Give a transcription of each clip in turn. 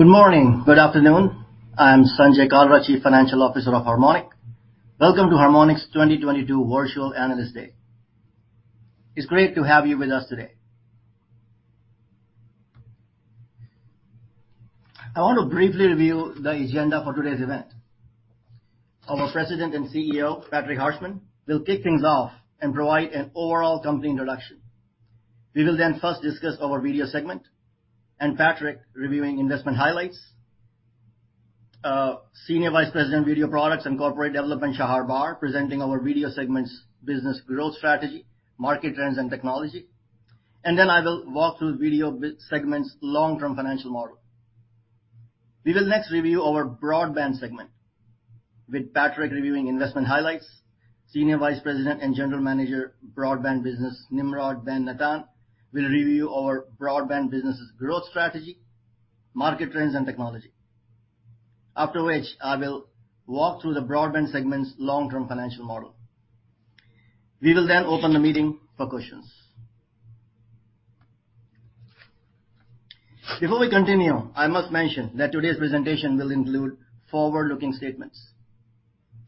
Good morning. Good afternoon. I'm Sanjay Kalra, Chief Financial Officer of Harmonic. Welcome to Harmonic's 2022 Virtual Analyst Day. It's great to have you with us today. I want to briefly review the agenda for today's event. Our President and CEO, Patrick Harshman, will kick things off and provide an overall company introduction. We will then first discuss our video segment, and Patrick reviewing investment highlights. Senior Vice President, Video Products and Corporate Development, Shahar Bar, presenting our video segment's business growth strategy, market trends, and technology. I will walk through video segments long-term financial model. We will next review our broadband segment with Patrick reviewing investment highlights. Senior Vice President and General Manager, Cable Access Business, Nimrod Ben-Natan will review our broadband business' growth strategy, market trends, and technology. After which I will walk through the broadband segment's long-term financial model. We will then open the meeting for questions. Before we continue, I must mention that today's presentation will include forward-looking statements.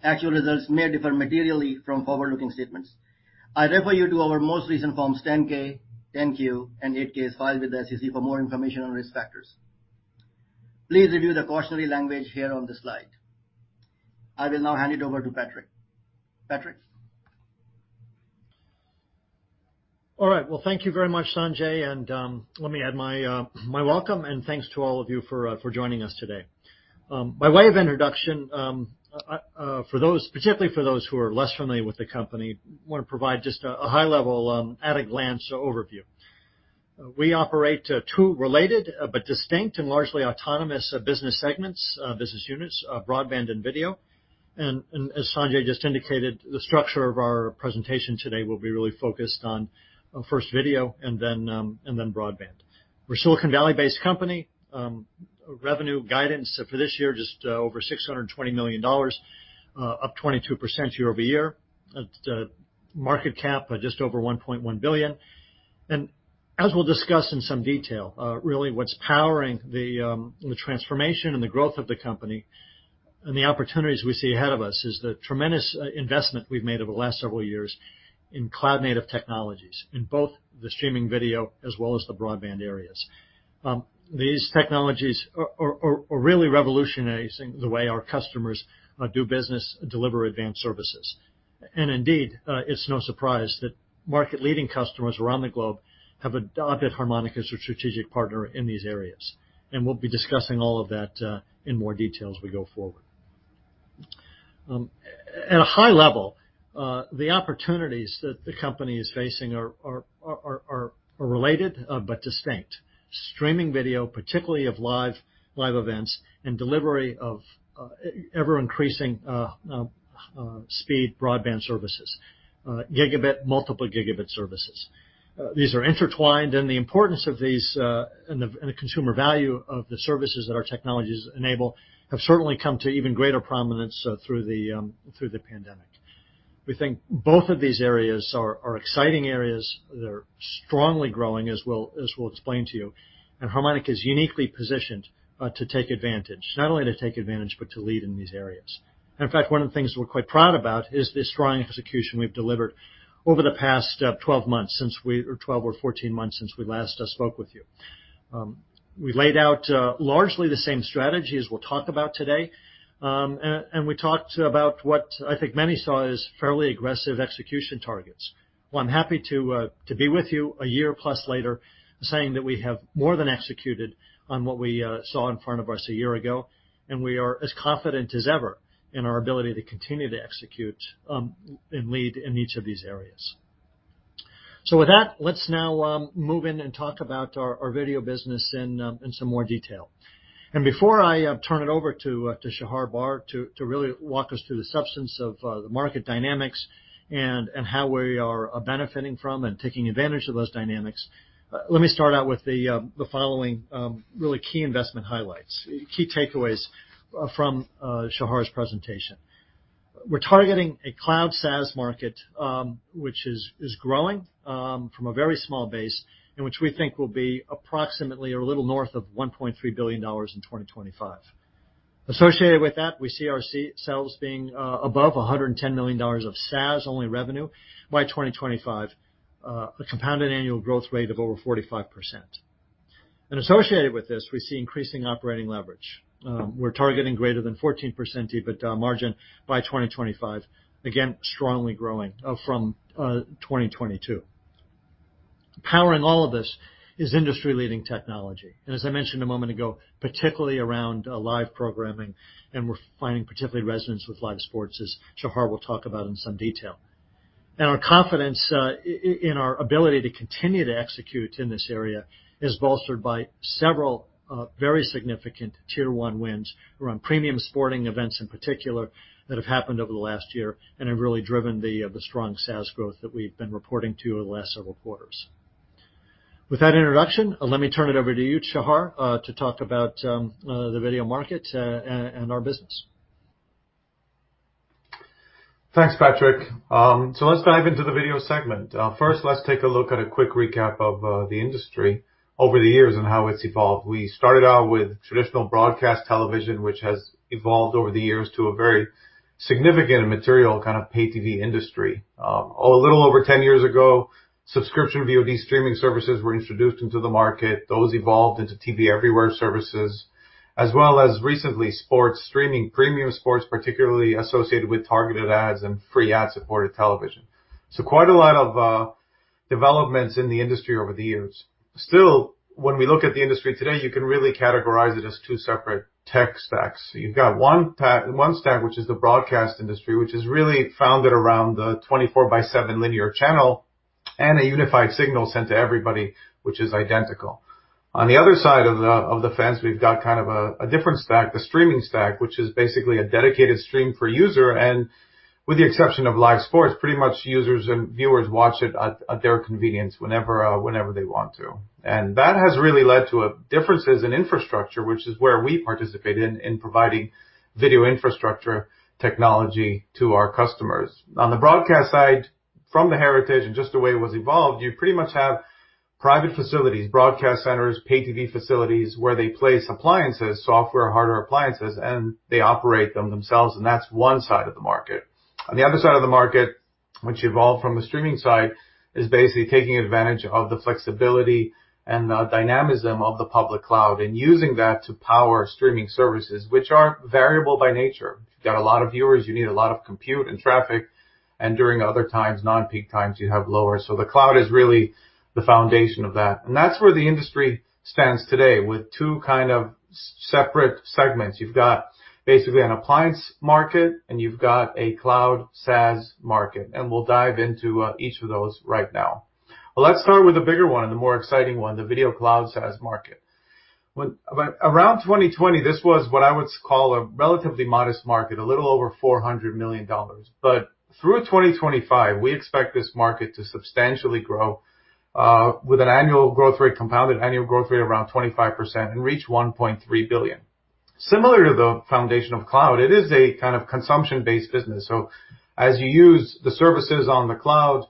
Actual results may differ materially from forward-looking statements. I refer you to our most recent Forms 10-K, 10-Q, and 8-Ks filed with the SEC for more information on risk factors. Please review the cautionary language here on the slide. I will now hand it over to Patrick. Patrick? All right. Well, thank you very much, Sanjay, and let me add my welcome and thanks to all of you for joining us today. By way of introduction, for those, particularly those who are less familiar with the company, wanna provide just a high level at a glance overview. We operate two related but distinct and largely autonomous business segments, business units, broadband and video. As Sanjay just indicated, the structure of our presentation today will be really focused on first video and then broadband. We're a Silicon Valley-based company. Revenue guidance for this year, just over $620 million, up 22% year-over-year. Its market cap just over $1.1 billion. As we'll discuss in some detail, really what's powering the transformation and the growth of the company and the opportunities we see ahead of us is the tremendous investment we've made over the last several years in cloud-native technologies, in both the streaming video as well as the broadband areas. These technologies are really revolutionizing the way our customers do business, deliver advanced services. Indeed, it's no surprise that market-leading customers around the globe have adopted Harmonic as their strategic partner in these areas. We'll be discussing all of that in more detail as we go forward. At a high level, the opportunities that the company is facing are related, but distinct. Streaming video, particularly of live events and delivery of ever-increasing speed broadband services, gigabit, multiple gigabit services. These are intertwined, and the importance of these and the consumer value of the services that our technologies enable have certainly come to even greater prominence through the pandemic. We think both of these areas are exciting areas. They're strongly growing, as we'll explain to you, and Harmonic is uniquely positioned to take advantage. Not only to take advantage, but to lead in these areas. In fact, one of the things we're quite proud about is the strong execution we've delivered over the past 12 or 14 months since we last spoke with you. We laid out largely the same strategy as we'll talk about today, and we talked about what I think many saw as fairly aggressive execution targets. Well, I'm happy to be with you a year plus later saying that we have more than executed on what we saw in front of us a year ago, and we are as confident as ever in our ability to continue to execute and lead in each of these areas. With that, let's now move in and talk about our video business in some more detail. Before I turn it over to Shahar Bar to really walk us through the substance of the market dynamics and how we are benefiting from and taking advantage of those dynamics, let me start out with the following really key investment highlights, key takeaways from Shahar's presentation. We're targeting a cloud SaaS market, which is growing from a very small base, and which we think will be approximately or a little north of $1.3 billion in 2025. Associated with that, we see our sales being above $110 million of SaaS-only revenue by 2025, a compounded annual growth rate of over 45%. Associated with this, we see increasing operating leverage. We're targeting greater than 14% EBITDA margin by 2025, again, strongly growing from 2022. Powering all of this is industry-leading technology, and as I mentioned a moment ago, particularly around live programming, and we're finding particular resonance with live sports, as Shahar will talk about in some detail. Our confidence in our ability to continue to execute in this area is bolstered by several very significant tier one wins around premium sporting events in particular that have happened over the last year and have really driven the strong SaaS growth that we've been reporting, too, over the last several quarters. With that introduction, let me turn it over to you, Shahar, to talk about the video market and our business. Thanks, Patrick. Let's dive into the video segment. First, let's take a look at a quick recap of the industry over the years and how it's evolved. We started out with traditional broadcast television, which has evolved over the years to a very significant and material kind of pay TV industry. A little over 10 years ago, subscription VOD streaming services were introduced into the market. Those evolved into TV Everywhere services, as well as recently, sports streaming, premium sports, particularly associated with targeted ads and free ad-supported television. Quite a lot of developments in the industry over the years. Still, when we look at the industry today, you can really categorize it as two separate tech stacks. You've got one stack, which is the broadcast industry, which is really founded around the 24/7 linear channel and a unified signal sent to everybody, which is identical. On the other side of the fence, we've got kind of a different stack, the streaming stack, which is basically a dedicated stream per user, and with the exception of live sports, pretty much users and viewers watch it at their convenience whenever they want to. That has really led to differences in infrastructure, which is where we participate in providing video infrastructure technology to our customers. On the broadcast side, from the heritage and just the way it was evolved, you pretty much have private facilities, broadcast centers, pay TV facilities where they place appliances, software, hardware, appliances, and they operate them themselves, and that's one side of the market. On the other side of the market, which evolved from the streaming side, is basically taking advantage of the flexibility and the dynamism of the public cloud and using that to power streaming services, which are variable by nature. If you've got a lot of viewers, you need a lot of compute and traffic, and during other times, non-peak times, you have lower. So the cloud is really the foundation of that. That's where the industry stands today with two kind of separate segments. You've got basically an appliance market, and you've got a cloud SaaS market, and we'll dive into each of those right now. Well, let's start with the bigger one and the more exciting one, the video cloud SaaS market. Around 2020, this was what I would call a relatively modest market, a little over $400 million. Through 2025, we expect this market to substantially grow with an annual growth rate, compounded annual growth rate around 25% and reach $1.3 billion. Similar to the foundation of cloud, it is a kind of consumption-based business, so as you use the services on the cloud,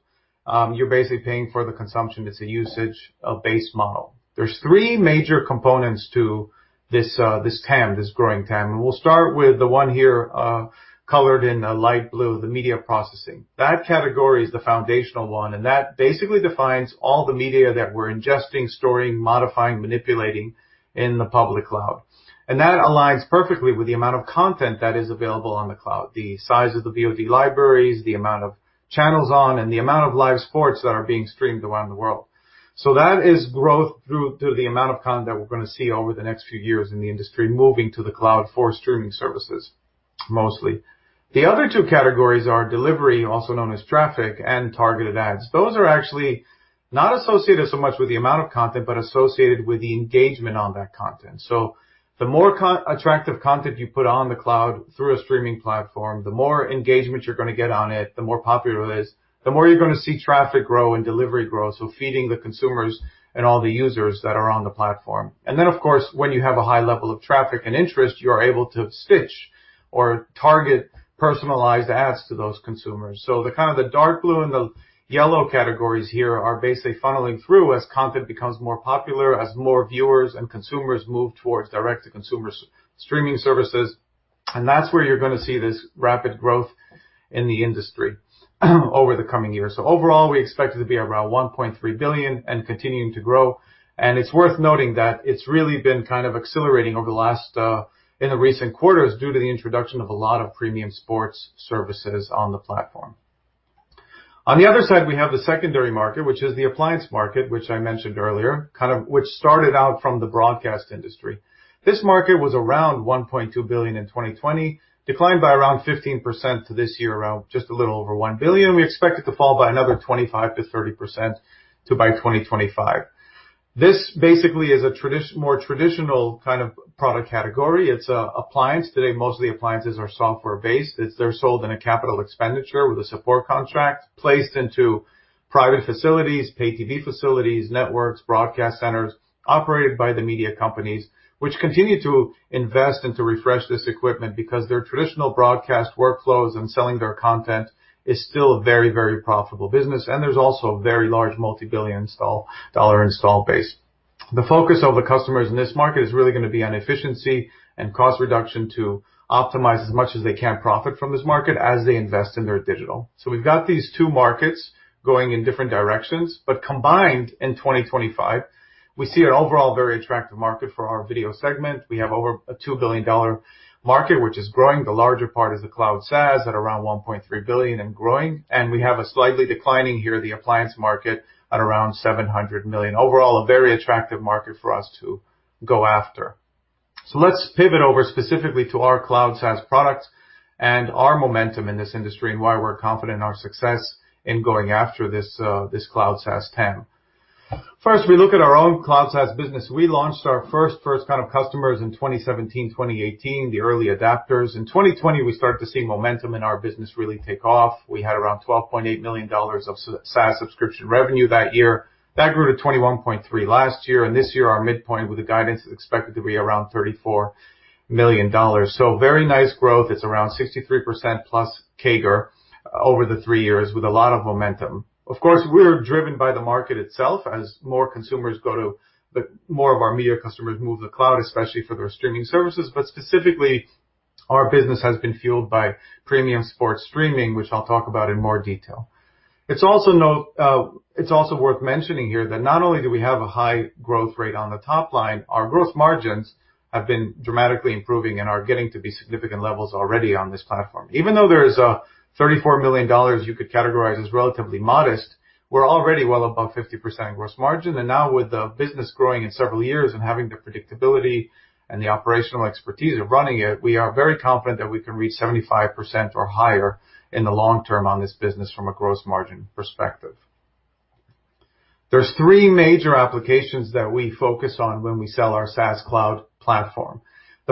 you're basically paying for the consumption. It's a usage-based model. There's three major components to this TAM, this growing TAM, and we'll start with the one here, colored in light blue, the media processing. That category is the foundational one, and that basically defines all the media that we're ingesting, storing, modifying, manipulating in the public cloud. That aligns perfectly with the amount of content that is available on the cloud, the size of the VOD libraries, the amount of channels on, and the amount of live sports that are being streamed around the world. That is growth through the amount of content that we're gonna see over the next few years in the industry moving to the cloud for streaming services, mostly. The other two categories are delivery, also known as traffic, and targeted ads. Those are actually not associated so much with the amount of content, but associated with the engagement on that content. The more attractive content you put on the cloud through a streaming platform, the more engagement you're gonna get on it, the more popular it is, the more you're gonna see traffic grow and delivery grow, so feeding the consumers and all the users that are on the platform. Then, of course, when you have a high level of traffic and interest, you're able to stitch or target personalized ads to those consumers. The kind of the dark blue and the yellow categories here are basically funneling through as content becomes more popular, as more viewers and consumers move towards direct-to-consumer streaming services. That's where you're gonna see this rapid growth in the industry over the coming years. Overall, we expect it to be around $1.3 billion and continuing to grow. It's worth noting that it's really been kind of accelerating over the last in the recent quarters due to the introduction of a lot of premium sports services on the platform. On the other side, we have the secondary market, which is the appliance market, which I mentioned earlier, kind of which started out from the broadcast industry. This market was around $1.2 billion in 2020, declined by around 15% to this year, around just a little over $1 billion. We expect it to fall by another 25%-30% to by 2025. This basically is a more traditional kind of product category. It's an appliance. Today, most of the appliances are software-based. They're sold in a capital expenditure with a support contract placed into private facilities, pay TV facilities, networks, broadcast centers operated by the media companies, which continue to invest and to refresh this equipment because their traditional broadcast workflows and selling their content is still a very, very profitable business. There's also a very large multi-billion dollar install base. The focus of the customers in this market is really gonna be on efficiency and cost reduction to optimize as much as they can profit from this market as they invest in their digital. We've got these two markets going in different directions, but combined in 2025, we see an overall very attractive market for our video segment. We have over a $2 billion market, which is growing. The larger part is the cloud SaaS at around $1.3 billion and growing. We have a slightly declining here, the appliance market at around $700 million. Overall, a very attractive market for us to go after. Let's pivot over specifically to our cloud SaaS products and our momentum in this industry and why we're confident in our success in going after this cloud SaaS TAM. First, we look at our own cloud SaaS business. We launched our first kind of customers in 2017, 2018, the early adopters. In 2020, we started to see momentum in our business really take off. We had around $12.8 million of SaaS subscription revenue that year. That grew to $21.3 million last year, and this year our midpoint with the guidance is expected to be around $34 million. Very nice growth. It's around 63%+ CAGR over the three years with a lot of momentum. Of course, we're driven by the market itself as more of our media customers move to the cloud, especially for their streaming services. Specifically, our business has been fueled by premium sports streaming, which I'll talk about in more detail. It's also worth mentioning here that not only do we have a high growth rate on the top line, our growth margins have been dramatically improving and are getting to be significant levels already on this platform. Even though there is a $34 million you could categorize as relatively modest, we're already well above 50% gross margin. Now with the business growing in several years and having the predictability and the operational expertise of running it, we are very confident that we can reach 75% or higher in the long term on this business from a gross margin perspective. There's three major applications that we focus on when we sell our SaaS cloud platform.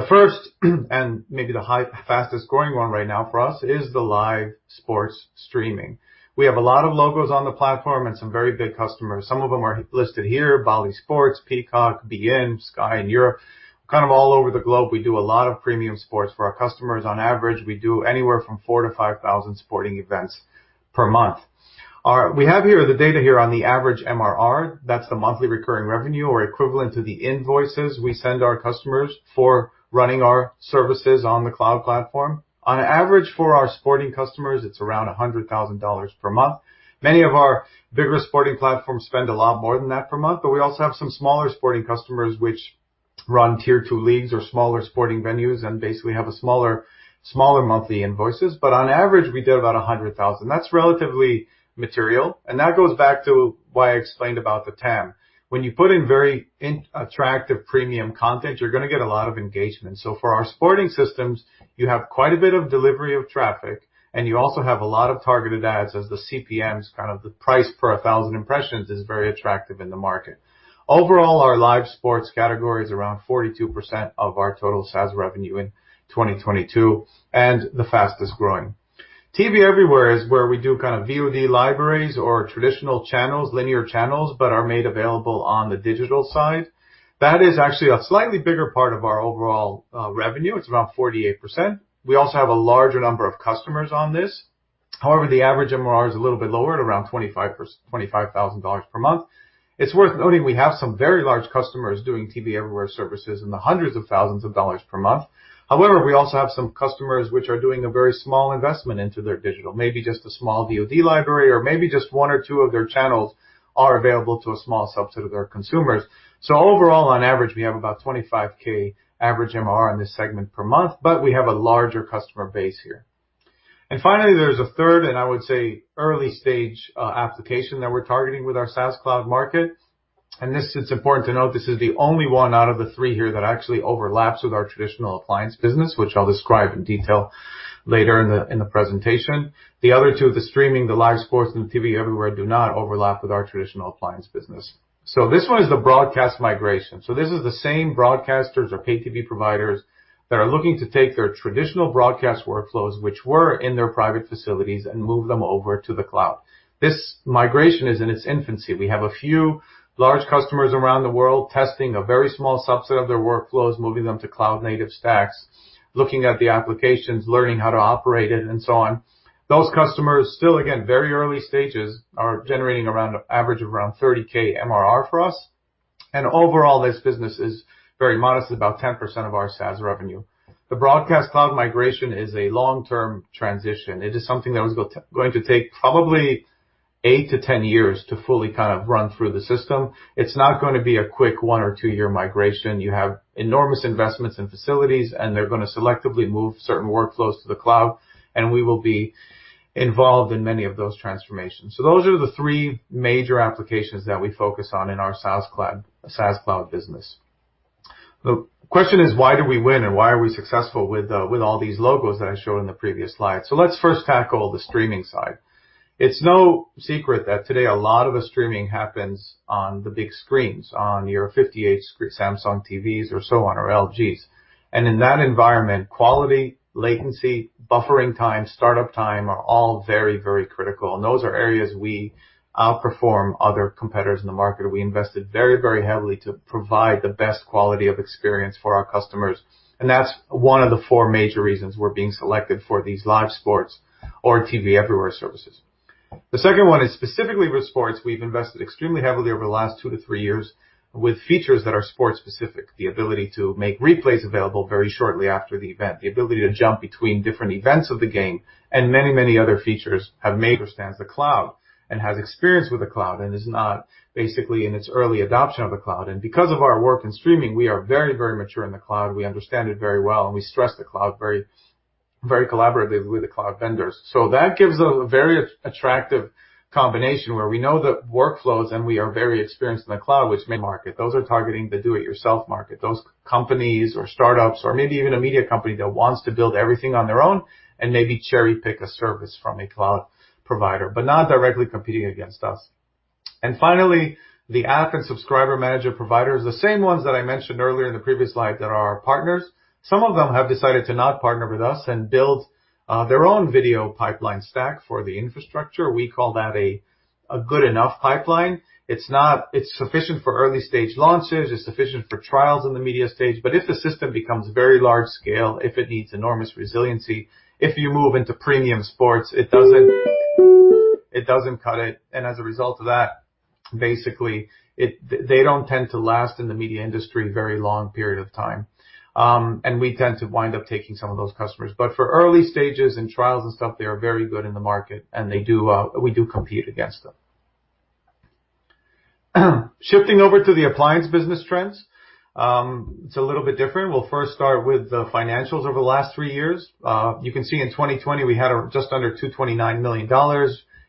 The first and maybe the fastest-growing one right now for us is the live sports streaming. We have a lot of logos on the platform and some very big customers. Some of them are listed here, Bally Sports, Peacock, beIN SPORTS, Sky in Europe, kind of all over the globe. We do a lot of premium sports for our customers. On average, we do anywhere from 4,000 to 5,000 sporting events per month. We have here the data here on the average MRR. That's the monthly recurring revenue or equivalent to the invoices we send our customers for running our services on the cloud platform. On average, for our sporting customers, it's around $100,000 per month. Many of our bigger sporting platforms spend a lot more than that per month, but we also have some smaller sporting customers which run tier two leagues or smaller sporting venues and basically have a smaller monthly invoices. But on average, we do about $100,000. That's relatively material, and that goes back to why I explained about the TAM. When you put in very attractive premium content, you're gonna get a lot of engagement. For our sports streaming systems, you have quite a bit of delivery of traffic, and you also have a lot of targeted ads as the CPMs, kind of the price per thousand impressions, is very attractive in the market. Overall, our live sports category is around 42% of our total SaaS revenue in 2022, and the fastest-growing. TV Everywhere is where we do kind of VOD libraries or traditional channels, linear channels, but are made available on the digital side. That is actually a slightly bigger part of our overall revenue. It's about 48%. We also have a larger number of customers on this. However, the average MRR is a little bit lower at around $25,000 per month. It's worth noting we have some very large customers doing TV Everywhere services in the hundreds of thousands of dollars per month. However, we also have some customers which are doing a very small investment into their digital. Maybe just a small VOD library or maybe just one or two of their channels are available to a small subset of their consumers. Overall, on average, we have about $25K average MRR on this segment per month, but we have a larger customer base here. Finally, there's a third, and I would say early stage, application that we're targeting with our SaaS cloud market. This is important to note, this is the only one out of the three here that actually overlaps with our traditional appliance business, which I'll describe in detail later in the presentation. The other two, the streaming, the live sports, and the TV Everywhere do not overlap with our traditional appliance business. This one is the broadcast migration. This is the same broadcasters or pay TV providers that are looking to take their traditional broadcast workflows, which were in their private facilities, and move them over to the cloud. This migration is in its infancy. We have a few large customers around the world testing a very small subset of their workflows, moving them to cloud-native stacks, looking at the applications, learning how to operate it, and so on. Those customers, still again, very early stages, are generating around an average of around $30K MRR for us. Overall, this business is very modest, about 10% of our SaaS revenue. The broadcast cloud migration is a long-term transition. It is something that was going to take probably eight to 10 years to fully kind of run through the system. It's not gonna be a quick one- or two-year migration. You have enormous investments in facilities, and they're gonna selectively move certain workflows to the cloud, and we will be involved in many of those transformations. Those are the three major applications that we focus on in our SaaS cloud business. The question is: Why do we win and why are we successful with all these logos that I showed in the previous slide? Let's first tackle the streaming side. It's no secret that today a lot of the streaming happens on the big screens, on your 58 Samsung TVs or so on, or LGs. In that environment, quality, latency, buffering time, startup time are all very, very critical. Those are areas we outperform other competitors in the market. We invested very, very heavily to provide the best quality of experience for our customers, and that's one of the four major reasons we're being selected for these live sports or TV Everywhere services. The second one is specifically with sports. We've invested extremely heavily over the last two to three years with features that are sport-specific. The ability to make replays available very shortly after the event, the ability to jump between different events of the game, and many, many other features. Understands the cloud and has experience with the cloud and is not basically in its early adoption of the cloud. Because of our work in streaming, we are very, very mature in the cloud. We understand it very well, and we stress the cloud very, very collaboratively with the cloud vendors. That gives a very attractive combination where we know the workflows, and we are very experienced in the cloud, which may market. Those are targeting the do-it-yourself market. Those companies or startups or maybe even a media company that wants to build everything on their own and maybe cherry-pick a service from a cloud provider, but not directly competing against us. Finally, the app and subscriber manager providers, the same ones that I mentioned earlier in the previous slide that are our partners, some of them have decided to not partner with us and build their own video pipeline stack for the infrastructure. We call that a good enough pipeline. It's sufficient for early-stage launches, it's sufficient for trials in the media stage, but if the system becomes very large scale, if it needs enormous resiliency, if you move into premium sports, it doesn't cut it, and as a result of that, basically they don't tend to last in the media industry very long period of time. We tend to wind up taking some of those customers. For early stages and trials and stuff, they are very good in the market, and they do, we do compete against them. Shifting over to the appliance business trends, it's a little bit different. We'll first start with the financials over the last three years. You can see in 2020 we had just under $229 million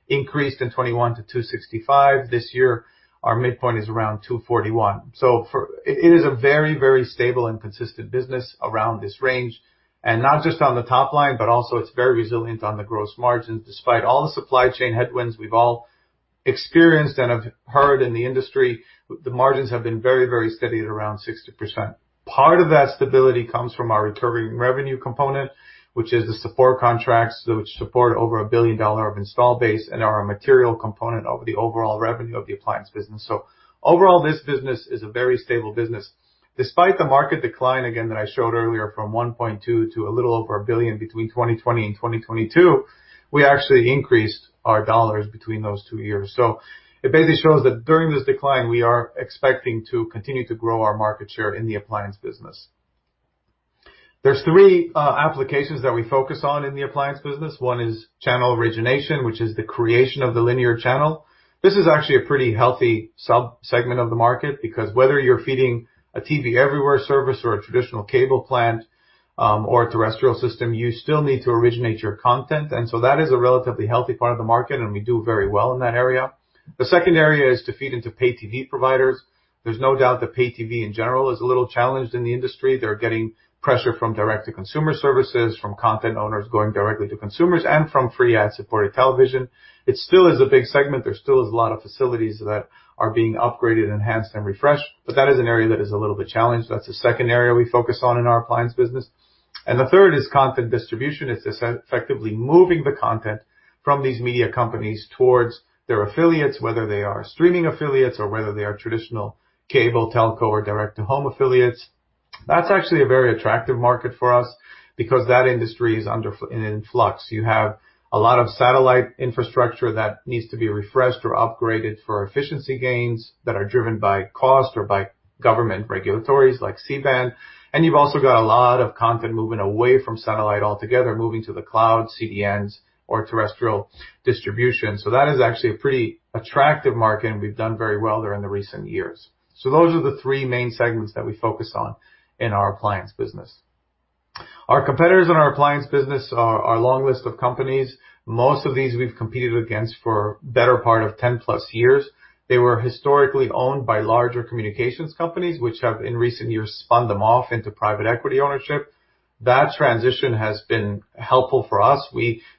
increased in 2021 to $265 million. This year our midpoint is around $241 million. It is a very, very stable and consistent business around this range, and not just on the top line, but also it's very resilient on the gross margins. Despite all the supply chain headwinds we've all experienced and have heard in the industry, the margins have been very, very steady at around 60%. Part of that stability comes from our recurring revenue component, which is the support contracts which support over $1 billion of installed base and are a material component of the overall revenue of the appliance business. Overall, this business is a very stable business. Despite the market decline again that I showed earlier from $1.2 billion to a little over $1 billion between 2020 and 2022, we actually increased our dollars between those two years. It basically shows that during this decline we are expecting to continue to grow our market share in the appliance business. There's three applications that we focus on in the appliance business. One is channel origination, which is the creation of the linear channel. This is actually a pretty healthy sub-segment of the market because whether you're feeding a TV Everywhere service or a traditional cable plant, or a terrestrial system, you still need to originate your content. That is a relatively healthy part of the market and we do very well in that area. The second area is to feed into pay TV providers. There's no doubt that pay TV in general is a little challenged in the industry. They're getting pressure from direct-to-consumer services, from content owners going directly to consumers, and from free ad-supported television. It still is a big segment. There still is a lot of facilities that are being upgraded, enhanced and refreshed, but that is an area that is a little bit challenged. That's the second area we focus on in our appliance business. The third is content distribution. It's effectively moving the content from these media companies towards their affiliates, whether they are streaming affiliates or whether they are traditional cable, telco or direct-to-home affiliates. That's actually a very attractive market for us because that industry is in flux. You have a lot of satellite infrastructure that needs to be refreshed or upgraded for efficiency gains that are driven by cost or by government regulations like C-band. You've also got a lot of content moving away from satellite altogether, moving to the cloud, CDNs or terrestrial distribution. that is actually a pretty attractive market and we've done very well there in the recent years. Those are the three main segments that we focus on in our appliance business. Our competitors in our appliance business are a long list of companies. Most of these we've competed against for better part of 10+ years. They were historically owned by larger communications companies, which have in recent years spun them off into private equity ownership. That transition has been helpful for us.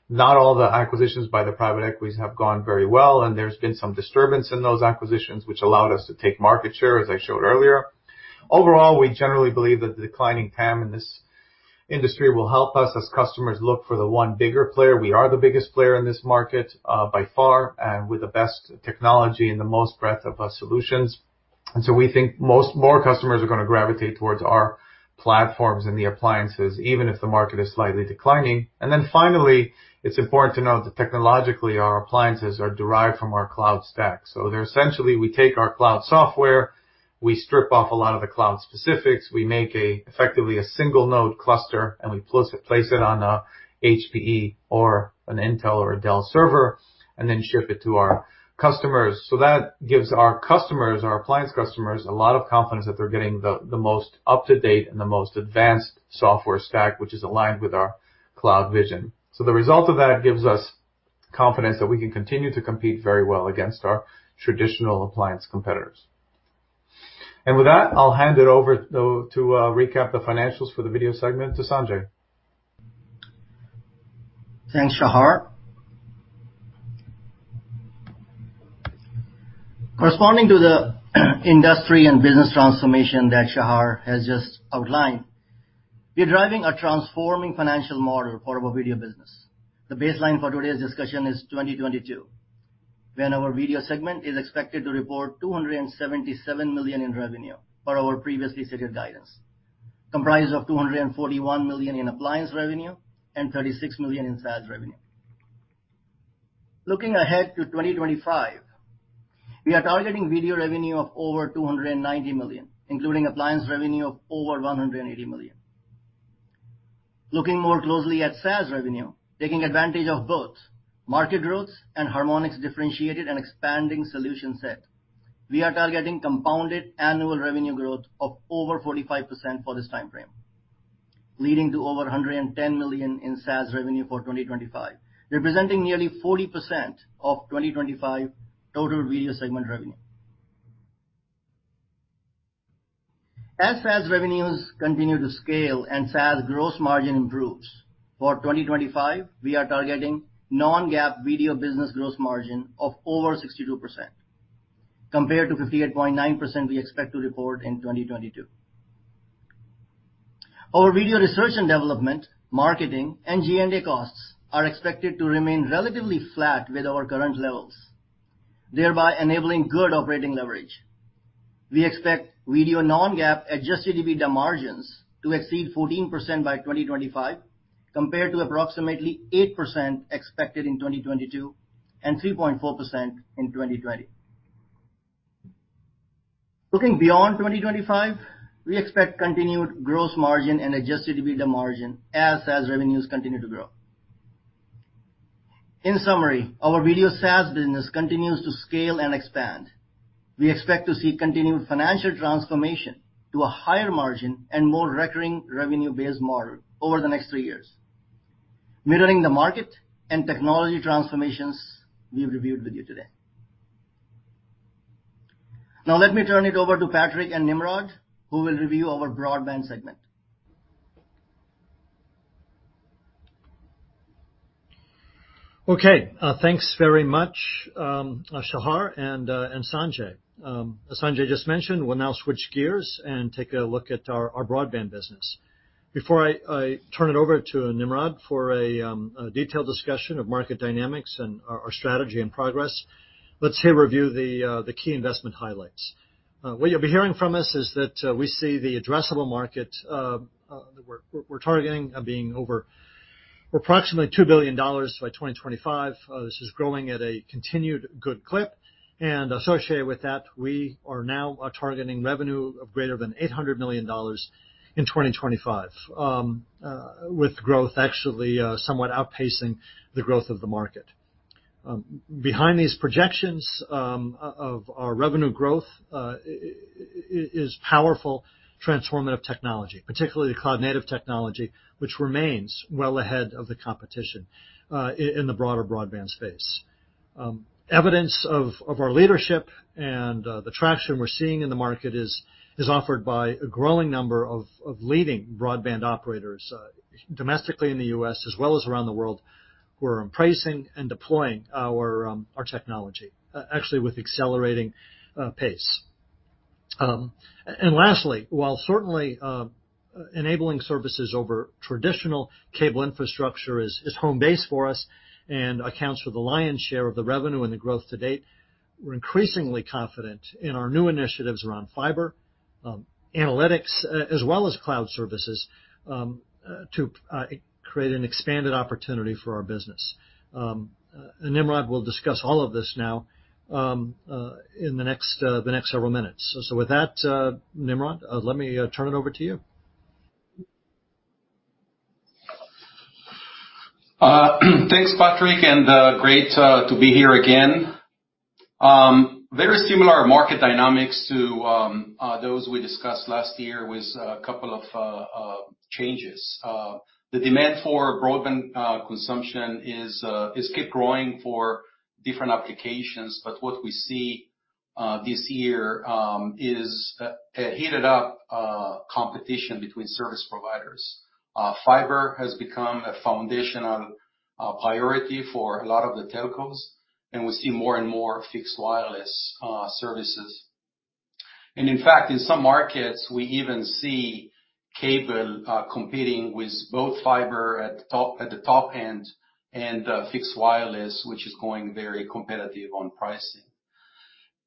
Not all the acquisitions by the private equities have gone very well, and there's been some disturbance in those acquisitions, which allowed us to take market share, as I showed earlier. Overall, we generally believe that the declining TAM in this industry will help us as customers look for the one bigger player. We are the biggest player in this market, by far, and with the best technology and the most breadth of solutions. Finally, it's important to note that technologically, our appliances are derived from our cloud stack. They're essentially, we take our cloud software, we strip off a lot of the cloud specifics, we make effectively a single node cluster, and we place it on a HPE or an Intel or a Dell server, and then ship it to our customers. That gives our customers, our appliance customers, a lot of confidence that they're getting the most up-to-date and the most advanced software stack, which is aligned with our cloud vision. The result of that gives us confidence that we can continue to compete very well against our traditional appliance competitors. With that, I'll hand it over to recap the financials for the video segment to Sanjay. Thanks, Shahar. Corresponding to the industry and business transformation that Shahar has just outlined, we're driving a transforming financial model for our video business. The baseline for today's discussion is 2022, when our video segment is expected to report $277 million in revenue for our previously stated guidance, comprised of $241 million in appliance revenue and $36 million in SaaS revenue. Looking ahead to 2025, we are targeting video revenue of over $290 million, including appliance revenue of over $180 million. Looking more closely at SaaS revenue, taking advantage of both market growth and Harmonic's differentiated and expanding solution set, we are targeting compounded annual revenue growth of over 45% for this timeframe, leading to over $110 million in SaaS revenue for 2025, representing nearly 40% of 2025 total video segment revenue. As SaaS revenues continue to scale and SaaS gross margin improves, for 2025, we are targeting non-GAAP video business gross margin of over 62% compared to 58.9% we expect to report in 2022. Our video research and development, marketing and G&A costs are expected to remain relatively flat with our current levels. Thereby enabling good operating leverage. We expect video non-GAAP adjusted EBITDA margins to exceed 14% by 2025, compared to approximately 8% expected in 2022, and 3.4% in 2020. Looking beyond 2025, we expect continued gross margin and adjusted EBITDA margin as SaaS revenues continue to grow. In summary, our video SaaS business continues to scale and expand. We expect to see continued financial transformation to a higher margin and more recurring revenue-based model over the next three years, mirroring the market and technology transformations we've reviewed with you today. Now let me turn it over to Patrick Harshman and Nimrod Ben-Natan, who will review our broadband segment. Okay. Thanks very much, Shahar and Sanjay. As Sanjay just mentioned, we'll now switch gears and take a look at our broadband business. Before I turn it over to Nimrod for a detailed discussion of market dynamics and our strategy and progress, let's review the key investment highlights. What you'll be hearing from us is that we see the addressable market we're targeting being over approximately $2 billion by 2025. This is growing at a continued good clip, and associated with that, we are now targeting revenue of greater than $800 million in 2025, with growth actually somewhat outpacing the growth of the market. Behind these projections of our revenue growth is powerful transformative technology, particularly the cloud-native technology, which remains well ahead of the competition in the broader broadband space. Evidence of our leadership and the traction we're seeing in the market is offered by a growing number of leading broadband operators domestically in the US as well as around the world, who are embracing and deploying our technology actually with accelerating pace. Lastly, while certainly enabling services over traditional cable infrastructure is home base for us and accounts for the lion's share of the revenue and the growth to date, we're increasingly confident in our new initiatives around fiber, analytics, as well as cloud services to create an expanded opportunity for our business. Nimrod will discuss all of this now, in the next several minutes. With that, Nimrod, let me turn it over to you. Thanks, Patrick, and great to be here again. Very similar market dynamics to those we discussed last year with a couple of changes. The demand for broadband consumption is keep growing for different applications, but what we see this year is a heated up competition between service providers. Fiber has become a foundational priority for a lot of the telcos, and we see more and more fixed wireless services. In fact, in some markets, we even see cable competing with both fiber at the top end and fixed wireless, which is going very competitive on pricing.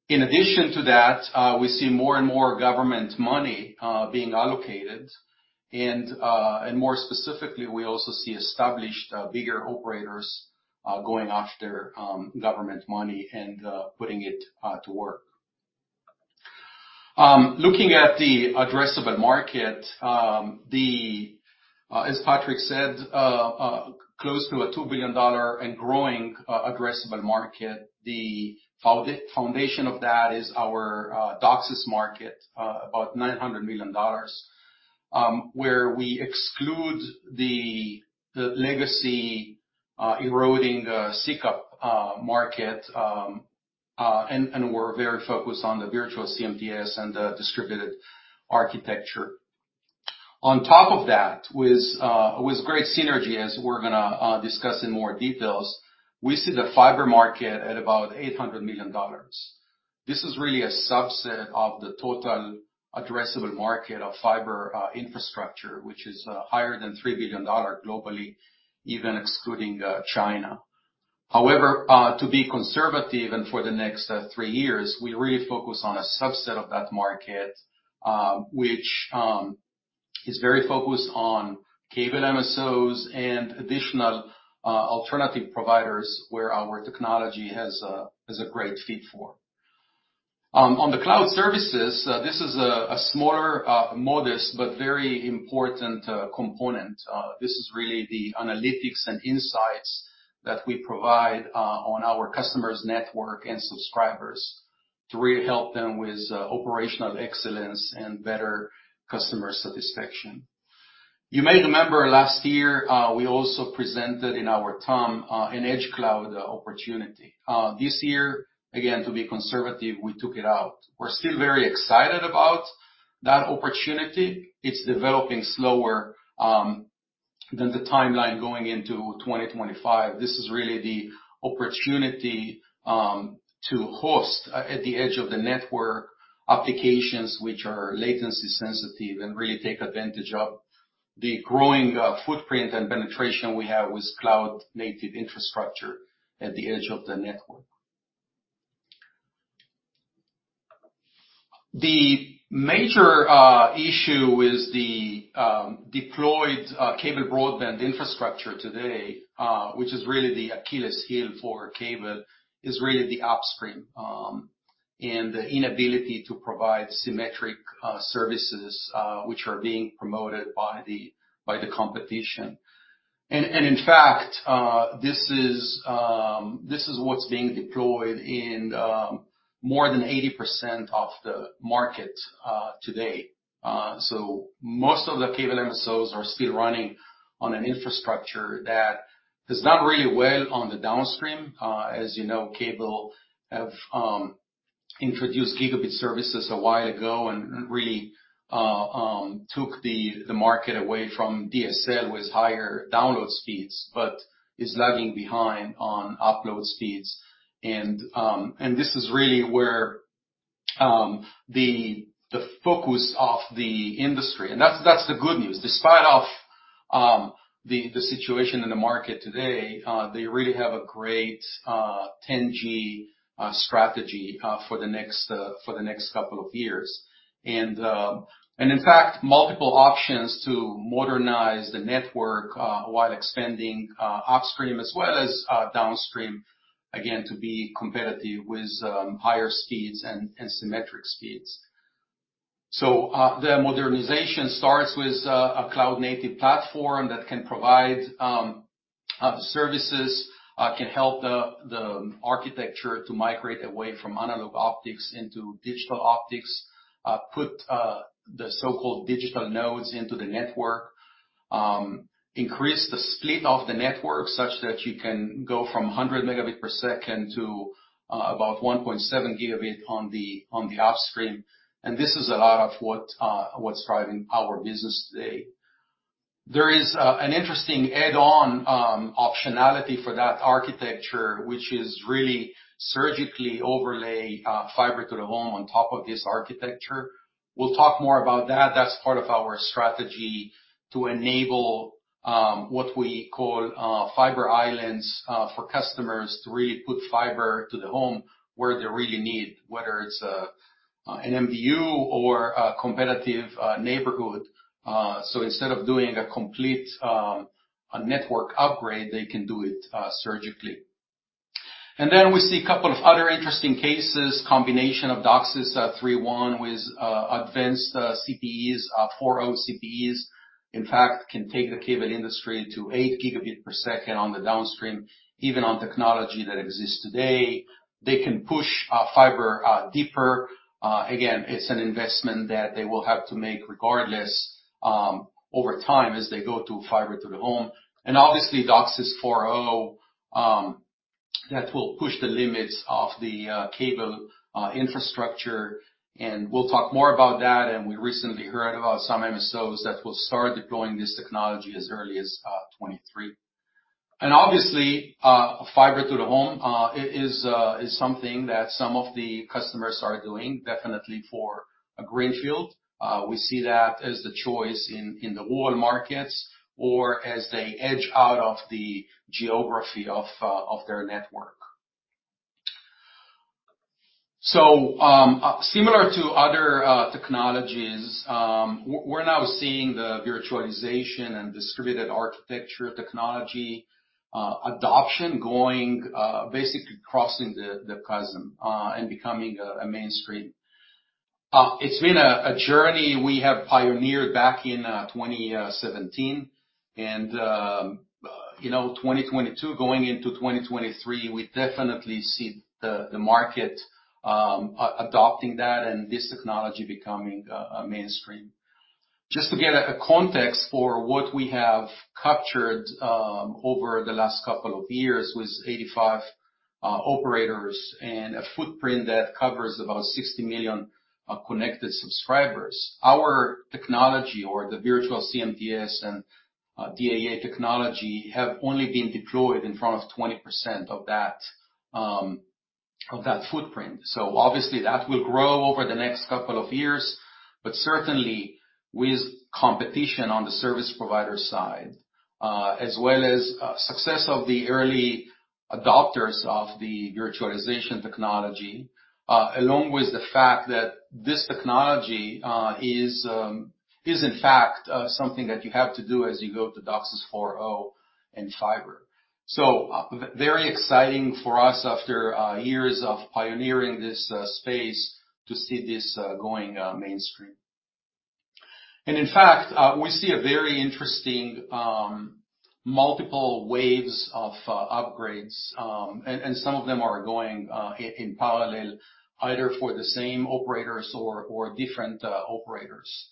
In addition to that, we see more and more government money being allocated, and more specifically, we also see established, bigger operators going after government money and putting it to work. Looking at the addressable market, as Patrick said, close to a $2 billion and growing addressable market. The foundation of that is our DOCSIS market about $900 million, where we exclude the legacy eroding CCAP market, and we're very focused on the virtual CMTS and the distributed architecture. On top of that, with great synergy, as we're gonna discuss in more details, we see the fiber market at about $800 million. This is really a subset of the total addressable market of fiber infrastructure, which is higher than $3 billion globally, even excluding China. To be conservative and for the next three years, we really focus on a subset of that market, which is very focused on cable MSOs and additional alternative providers where our technology is a great fit for. On the cloud services, this is a smaller modest but very important component. This is really the analytics and insights that we provide on our customers' network and subscribers to really help them with operational excellence and better customer satisfaction. You may remember last year, we also presented in our term an edge cloud opportunity. This year, again, to be conservative, we took it out. We're still very excited about that opportunity. It's developing slower than the timeline going into 2025. This is really the opportunity to host at the edge of the network applications which are latency sensitive and really take advantage of the growing footprint and penetration we have with cloud native infrastructure at the edge of the network. The major issue with the deployed cable broadband infrastructure today, which is really the Achilles heel for cable, is really the upstream and the inability to provide symmetric services which are being promoted by the competition. In fact, this is what's being deployed in more than 80% of the market today. Most of the cable MSOs are still running on an infrastructure that does not do well on the downstream. As you know, cable have introduced gigabit services a while ago and really took the market away from DSL with higher download speeds, but is lagging behind on upload speeds. This is really where the focus of the industry. That's the good news. Despite of the situation in the market today, they really have a great 10G strategy for the next couple of years. In fact, multiple options to modernize the network while expanding upstream as well as downstream, again, to be competitive with higher speeds and symmetric speeds. Their modernization starts with a cloud native platform that can provide the services can help the architecture to migrate away from analog optics into digital optics put the so-called digital nodes into the network increase the split of the network such that you can go from 100 megabit per second to about 1.7 Gb on the upstream. This is a lot of what's driving our business today. There is an interesting add-on optionality for that architecture, which is really surgically overlay fiber to the home on top of this architecture. We'll talk more about that. That's part of our strategy to enable what we call fiber islands for customers to really put fiber to the home where they really need, whether it's an MDU or a competitive neighborhood. Instead of doing a complete network upgrade, they can do it surgically. We see a couple of other interesting cases, combination of DOCSIS 3.1 with advanced CPEs, 4.0 CPEs, in fact, can take the cable industry to 8 Gb per second on the downstream, even on technology that exists today. They can push fiber deeper. Again, it's an investment that they will have to make regardless over time as they go to fiber to the home. Obviously DOCSIS 4.0 that will push the limits of the cable infrastructure, and we'll talk more about that, and we recently heard about some MSOs that will start deploying this technology as early as 2023. Obviously fiber to the home is something that some of the customers are doing definitely for a greenfield. We see that as the choice in the rural markets or as they edge out of the geography of their network. Similar to other technologies, we're now seeing the virtualization and distributed architecture technology adoption going basically crossing the chasm and becoming a mainstream. It's been a journey we have pioneered back in 2017 and, you know, 2022 going into 2023. We definitely see the market adopting that and this technology becoming mainstream. Just to get a context for what we have captured over the last couple of years with 85 operators and a footprint that covers about 60 million connected subscribers. Our technology or the virtual CMTS and DAA technology have only been deployed in front of 20% of that footprint. Obviously that will grow over the next couple of years. Certainly with competition on the service provider side, as well as success of the early adopters of the virtualization technology, along with the fact that this technology is in fact something that you have to do as you go to DOCSIS 4.0 and fiber. Very exciting for us after years of pioneering this space to see this going mainstream. In fact, we see a very interesting multiple waves of upgrades, and some of them are going in parallel, either for the same operators or different operators.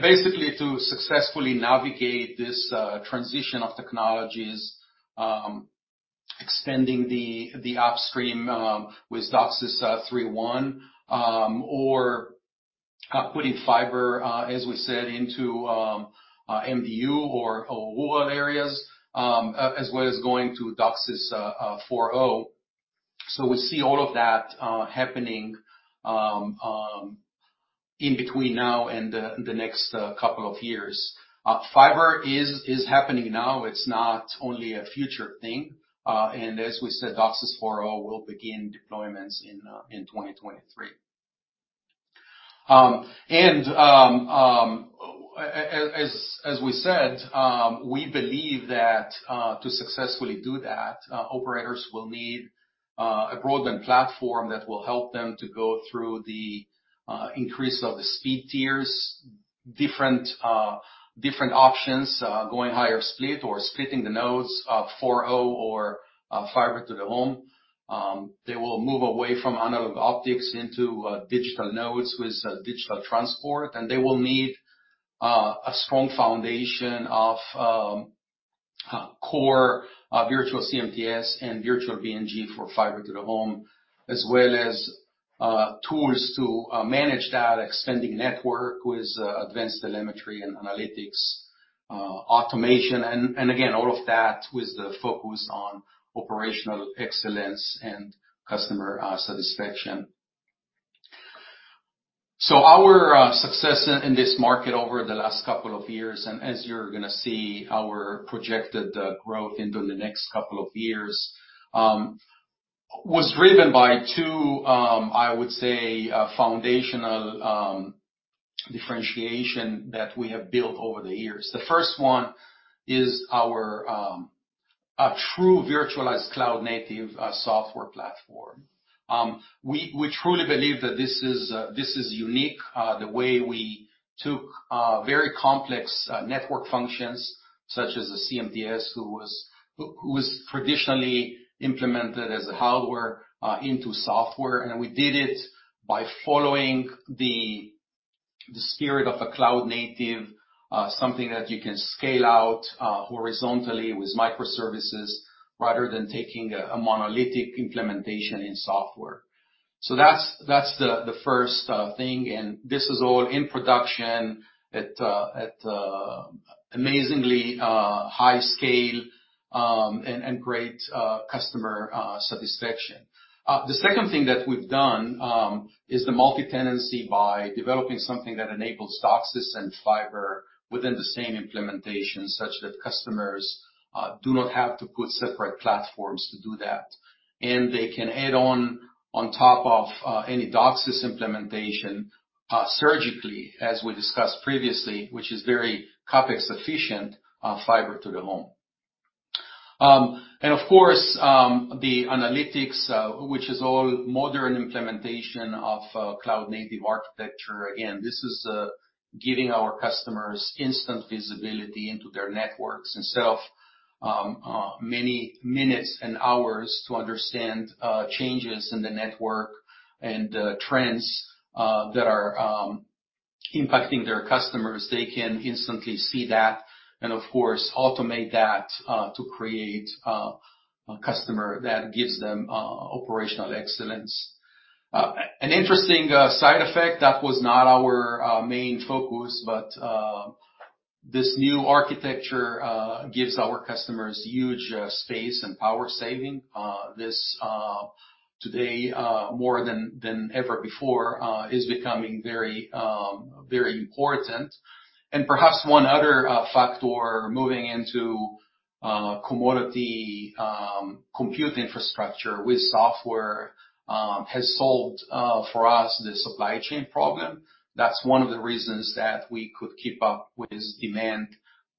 Basically to successfully navigate this transition of technologies, extending the upstream with DOCSIS 3.1 or putting fiber, as we said, into MDU or OOO areas, as well as going to DOCSIS 4.0. We see all of that happening in between now and the next couple of years. Fiber is happening now. It's not only a future thing, and as we said, DOCSIS 4.0 will begin deployments in 2023. As we said, we believe that to successfully do that, operators will need a broadband platform that will help them to go through the increase of the speed tiers, different options, going higher split or splitting the nodes, 4.0 or fiber to the home. They will move away from analog optics into digital nodes with digital transport, and they will need a strong foundation of core virtual CMTS and virtual BNG for fiber to the home, as well as tools to manage that extending network with advanced telemetry and analytics, automation and again all of that with the focus on operational excellence and customer satisfaction. Our success in this market over the last couple of years, and as you're gonna see our projected growth into the next couple of years, was driven by two I would say foundational differentiation that we have built over the years. The first one is our true virtualized cloud-native software platform. We truly believe that this is unique, the way we took very complex network functions, such as the CMTS, which was traditionally implemented as hardware into software. We did it by following the spirit of a cloud native something that you can scale out horizontally with microservices rather than taking a monolithic implementation in software. That's the first thing, and this is all in production at amazingly high scale and great customer satisfaction. The second thing that we've done is the multi-tenancy by developing something that enables DOCSIS and fiber within the same implementation, such that customers do not have to put separate platforms to do that. They can add on top of any DOCSIS implementation surgically, as we discussed previously, which is very CapEx-efficient fiber to the home. Of course, the analytics, which is all modern implementation of cloud-native architecture. Again, this is giving our customers instant visibility into their networks. Instead of many minutes and hours to understand changes in the network and trends that are impacting their customers, they can instantly see that and of course, automate that to create a customer that gives them operational excellence. An interesting side effect that was not our main focus, but this new architecture gives our customers huge space and power saving. This, today, more than ever before, is becoming very, very important. Perhaps one other factor moving into commodity compute infrastructure with software has solved for us the supply chain problem. That's one of the reasons that we could keep up with demand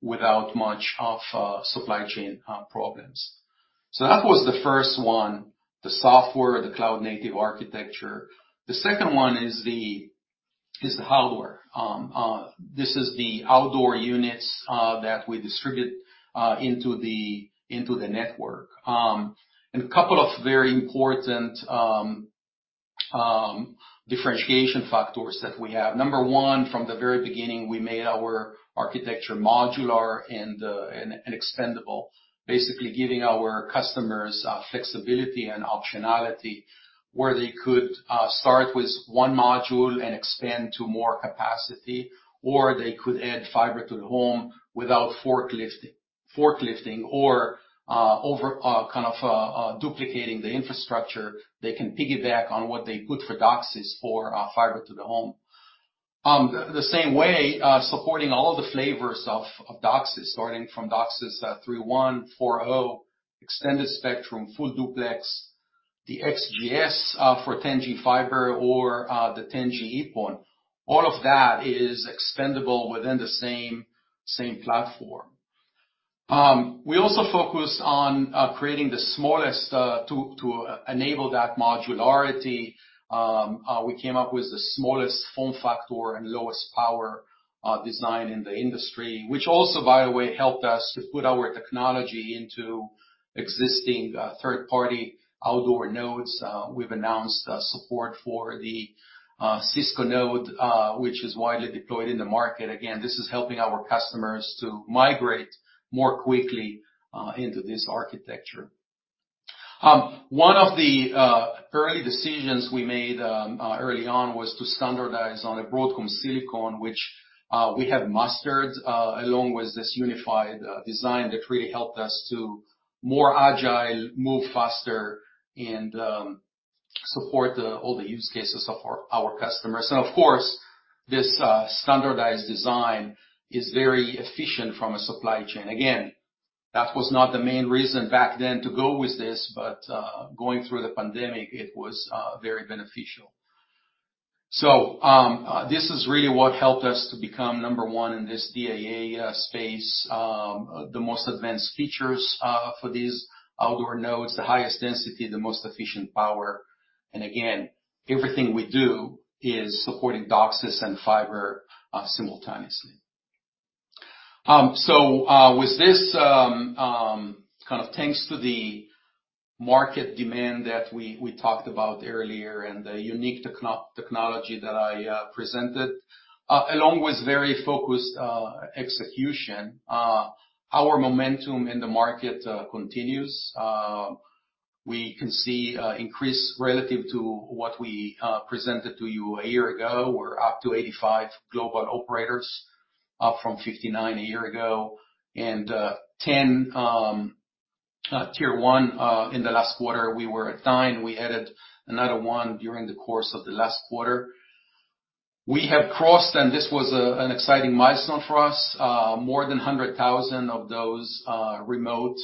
without much of supply chain problems. That was the first one, the software, the cloud-native architecture. The second one is the hardware. This is the outdoor units that we distribute into the network. A couple of very important differentiation factors that we have. Number one, from the very beginning, we made our architecture modular and expandable, basically giving our customers flexibility and optionality where they could start with one module and expand to more capacity, or they could add fiber to the home without forklift or over kind of duplicating the infrastructure. They can piggyback on what they put for DOCSIS for fiber to the home. The same way, supporting all the flavors of DOCSIS, starting from DOCSIS 3.1, 4.0, Extended Spectrum, Full Duplex, the XGS for 10G fiber or the 10G EPON. All of that is expandable within the same platform. We also focus on creating the smallest to enable that modularity. We came up with the smallest form factor and lowest power design in the industry, which also, by the way, helped us to put our technology into existing third-party outdoor nodes. We've announced support for the Cisco node, which is widely deployed in the market. Again, this is helping our customers to migrate more quickly into this architecture. One of the early decisions we made early on was to standardize on a Broadcom silicon, which we have mastered along with this unified design that really helped us to be more agile, move faster and support all the use cases of our customers. Of course, this standardized design is very efficient from a supply chain. Again, that was not the main reason back then to go with this, but going through the pandemic, it was very beneficial. This is really what helped us to become number one in this DAA space. The most advanced features for these outdoor nodes, the highest density, the most efficient power. Again, everything we do is supporting DOCSIS and fiber simultaneously. With this, kind of thanks to the market demand that we talked about earlier and the unique technology that I presented, along with very focused execution, our momentum in the market continues. We can see increase relative to what we presented to you a year ago. We're up to 85 global operators, up from 59 a year ago, and ten tier one. In the last quarter, we were at nine. We added another one during the course of the last quarter. We have crossed, and this was an exciting milestone for us, more than 100,000 of those remote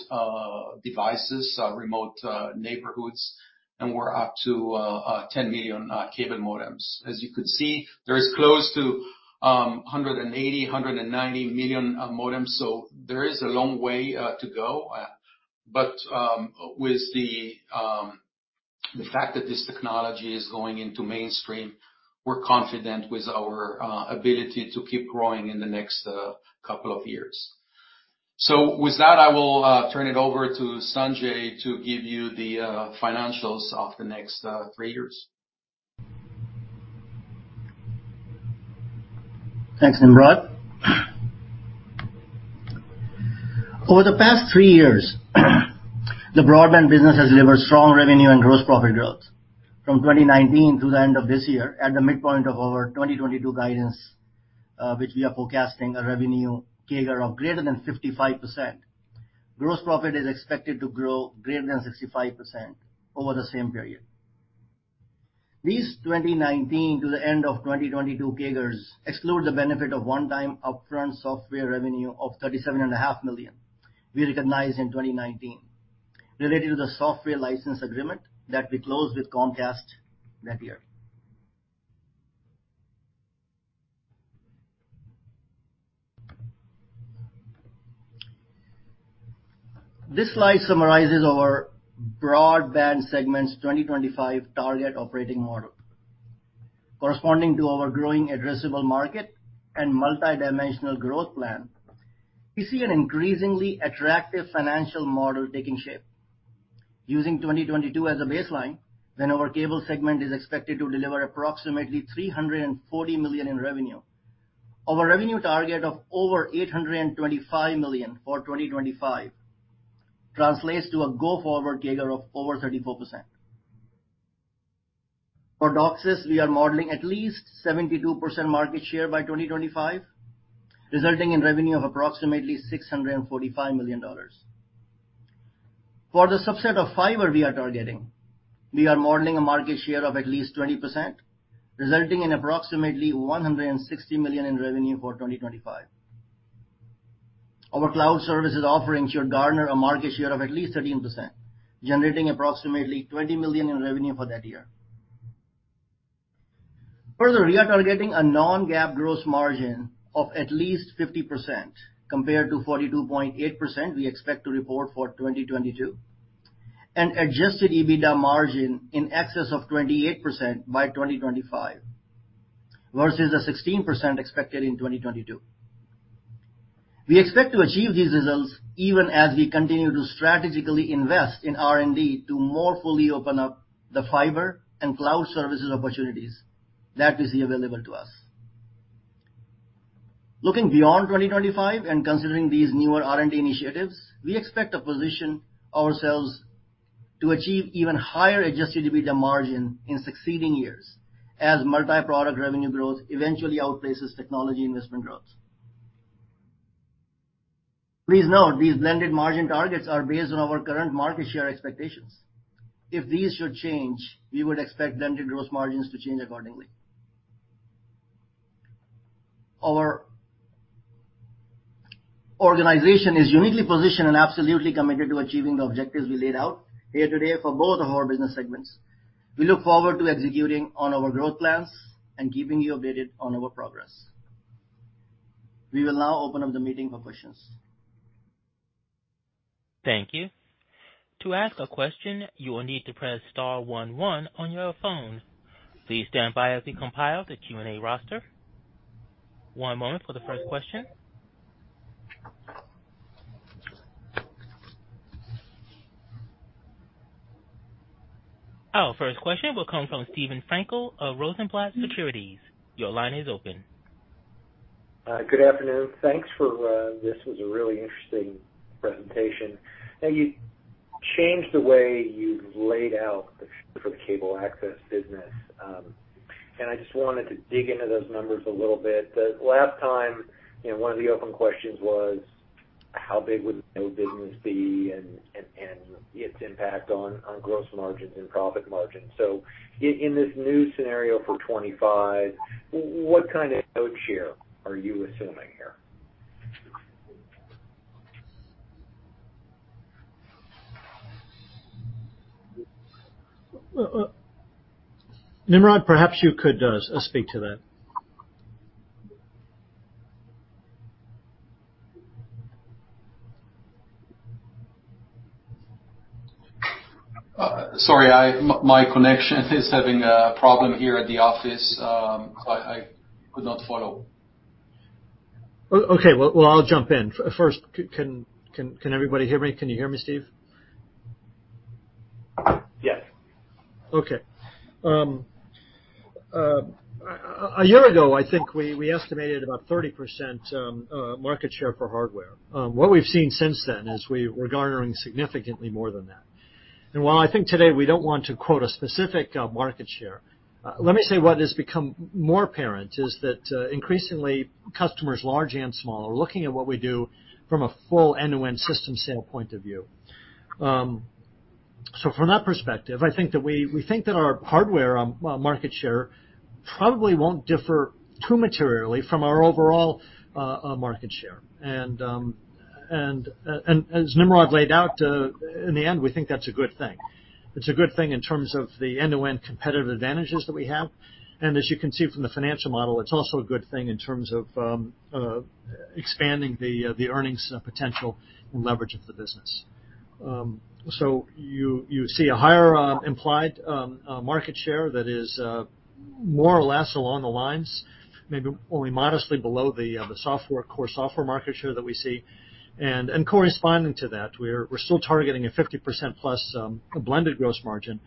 devices, remote neighborhoods, and we're up to 10 million cable modems. As you can see, there is close to 180, 190 million modems. There is a long way to go. With the fact that this technology is going into mainstream, we're confident with our ability to keep growing in the next couple of years. With that, I will turn it over to Sanjay to give you the financials of the next three years. Thanks, Nimrod. Over the past three years, the broadband business has delivered strong revenue and gross profit growth. From 2019 through the end of this year, at the midpoint of our 2022 guidance, which we are forecasting a revenue CAGR of greater than 55%. Gross profit is expected to grow greater than 65% over the same period. These 2019 to the end of 2022 CAGRs exclude the benefit of one-time upfront software revenue of $37.5 million we recognized in 2019 related to the software license agreement that we closed with Comcast that year. This slide summarizes our broadband segment's 2025 target operating model. Corresponding to our growing addressable market and multidimensional growth plan, we see an increasingly attractive financial model taking shape. Using 2022 as a baseline, our cable segment is expected to deliver approximately $340 million in revenue. Our revenue target of over $825 million for 2025 translates to a go forward CAGR of over 34%. For DOCSIS, we are modeling at least 72% market share by 2025, resulting in revenue of approximately $645 million. For the subset of fiber we are targeting, we are modeling a market share of at least 20%, resulting in approximately $160 million in revenue for 2025. Our cloud services offerings should garner a market share of at least 13%, generating approximately $20 million in revenue for that year. Further, we are targeting a non-GAAP gross margin of at least 50% compared to 42.8% we expect to report for 2022, an adjusted EBITDA margin in excess of 28% by 2025 versus the 16% expected in 2022. We expect to achieve these results even as we continue to strategically invest in R&D to more fully open up the fiber and cloud services opportunities that we see available to us. Looking beyond 2025 and considering these newer R&D initiatives, we expect to position ourselves to achieve even higher adjusted EBITDA margin in succeeding years as multi-product revenue growth eventually outpaces technology investment growth. Please note these blended margin targets are based on our current market share expectations. If these should change, we would expect blended gross margins to change accordingly. Our organization is uniquely positioned and absolutely committed to achieving the objectives we laid out here today for both of our business segments. We look forward to executing on our growth plans and keeping you updated on our progress. We will now open up the meeting for questions. Thank you. To ask a question, you will need to press star one one on your phone. Please stand by as we compile the Q&A roster. One moment for the first question. Our first question will come from Steve Frankel of Rosenblatt Securities. Your line is open. Good afternoon. Thanks. This was a really interesting presentation. Now, you changed the way you've laid out the cable access business. I just wanted to dig into those numbers a little bit. The last time, you know, one of the open questions was how big would the business be and its impact on gross margins and profit margins. In this new scenario for 2025, what kind of market share are you assuming here? Nimrod, perhaps you could speak to that. Sorry, my connection is having a problem here at the office. I could not follow. Okay. Well, I'll jump in. First, can everybody hear me? Can you hear me, Steve? Yes. Okay. A year ago, I think we estimated about 30% market share for hardware. What we've seen since then is we're garnering significantly more than that. While I think today we don't want to quote a specific market share, let me say what has become more apparent is that increasingly customers, large and small, are looking at what we do from a full end-to-end system sale point of view. From that perspective, I think that we think that our hardware market share probably won't differ too materially from our overall market share. As Nimrod laid out, in the end, we think that's a good thing. It's a good thing in terms of the end-to-end competitive advantages that we have. As you can see from the financial model, it's also a good thing in terms of expanding the earnings potential and leverage of the business. You see a higher implied market share that is more or less along the lines, maybe only modestly below the software, core software market share that we see. Corresponding to that, we're still targeting a 50% plus blended gross margin,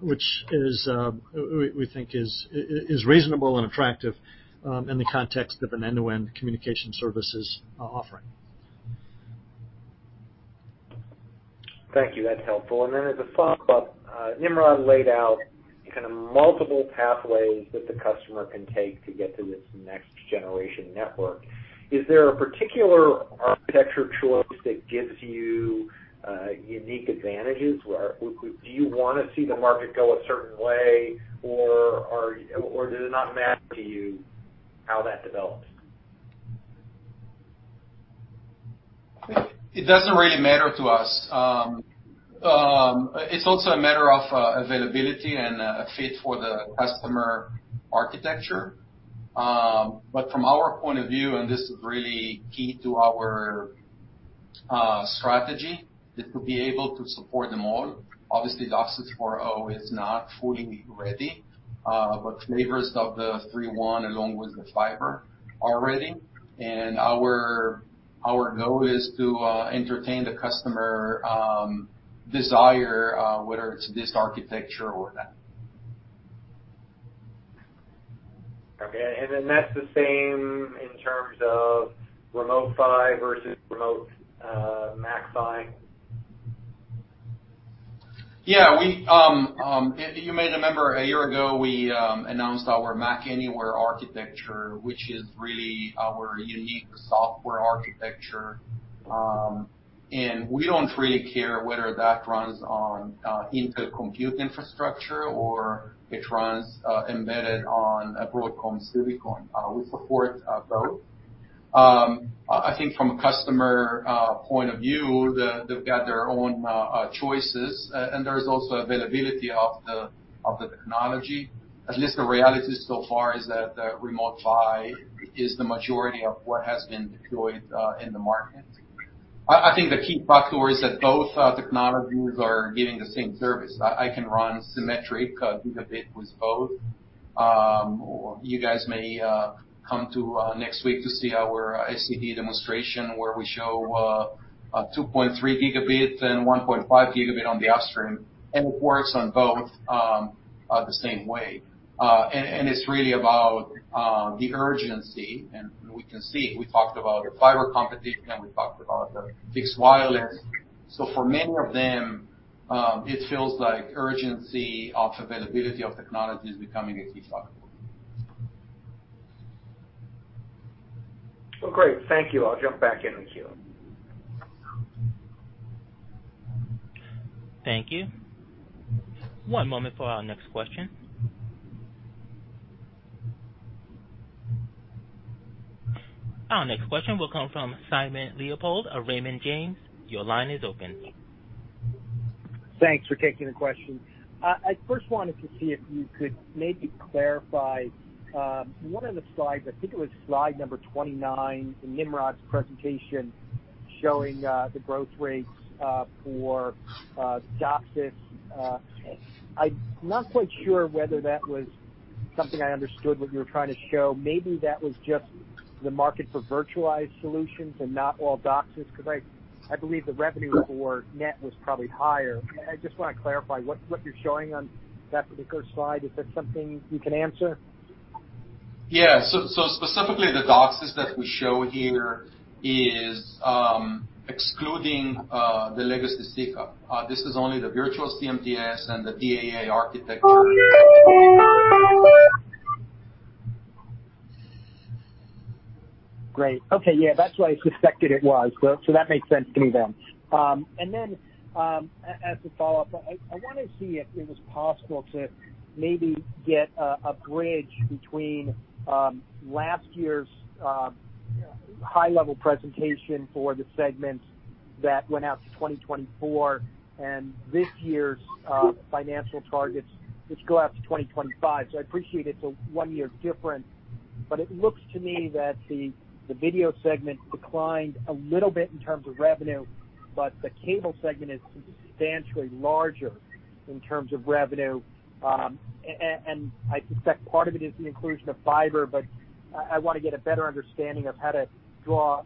which we think is reasonable and attractive in the context of an end-to-end communication services offering. Thank you. That's helpful. Then as a follow-up, Nimrod laid out kind of multiple pathways that the customer can take to get to this next generation network. Is there a particular architecture choice that gives you unique advantages? Where do you wanna see the market go a certain way, or does it not matter to you how that develops? It doesn't really matter to us. It's also a matter of availability and a fit for the customer architecture. From our point of view, and this is really key to our strategy is to be able to support them all. Obviously, DOCSIS 4.0 is not fully ready, but flavors of the 3.1 along with the fiber are ready. Our goal is to entertain the customer desire, whether it's this architecture or that. Okay. That's the same in terms of Remote PHY versus Remote MAC-PHY. Yeah. You may remember a year ago, we announced our MAC Anywhere architecture, which is really our unique software architecture. We don't really care whether that runs on Intel compute infrastructure or it runs embedded on a Broadcom silicon. We support both. I think from a customer point of view, they've got their own choices, and there is also availability of the technology. At least the reality so far is that the Remote PHY is the majority of what has been deployed in the market. I think the key factor is that both technologies are giving the same service. I can run symmetric gigabit with both. You guys may come to next week to see our ICD demonstration, where we show a 2.3 Gb and 1.5 Gb on the upstream, and it works on both the same way. It's really about the urgency. We can see it. We talked about the fiber competition, we talked about the fixed wireless. For many of them, it feels like urgency of availability of technology is becoming a key factor. Well, great. Thank you. I'll jump back in the queue. Thank you. One moment for our next question. Our next question will come from Simon Leopold of Raymond James. Your line is open. Thanks for taking the question. I first wanted to see if you could maybe clarify one of the slides. I think it was slide number 29 in Nimrod's presentation showing the growth rates for DOCSIS. I'm not quite sure whether that was something I understood what you were trying to show. Maybe that was just the market for virtualized solutions and not all DOCSIS, because I believe the revenue or net was probably higher. I just want to clarify what you're showing on that, the first slide. Is that something you can answer? Specifically, the DOCSIS that we show here is excluding the legacy CCAP. This is only the virtual CMTS and the DAA architecture. Great. Okay. Yeah, that's what I suspected it was. That makes sense to me then. As a follow-up, I wanna see if it was possible to maybe get a bridge between last year's high level presentation for the segments that went out to 2024 and this year's financial targets, which go out to 2025. I appreciate it's a one year difference, but it looks to me that the video segment declined a little bit in terms of revenue, but the cable segment is substantially larger in terms of revenue. I suspect part of it is the inclusion of fiber, but I want to get a better understanding of how to draw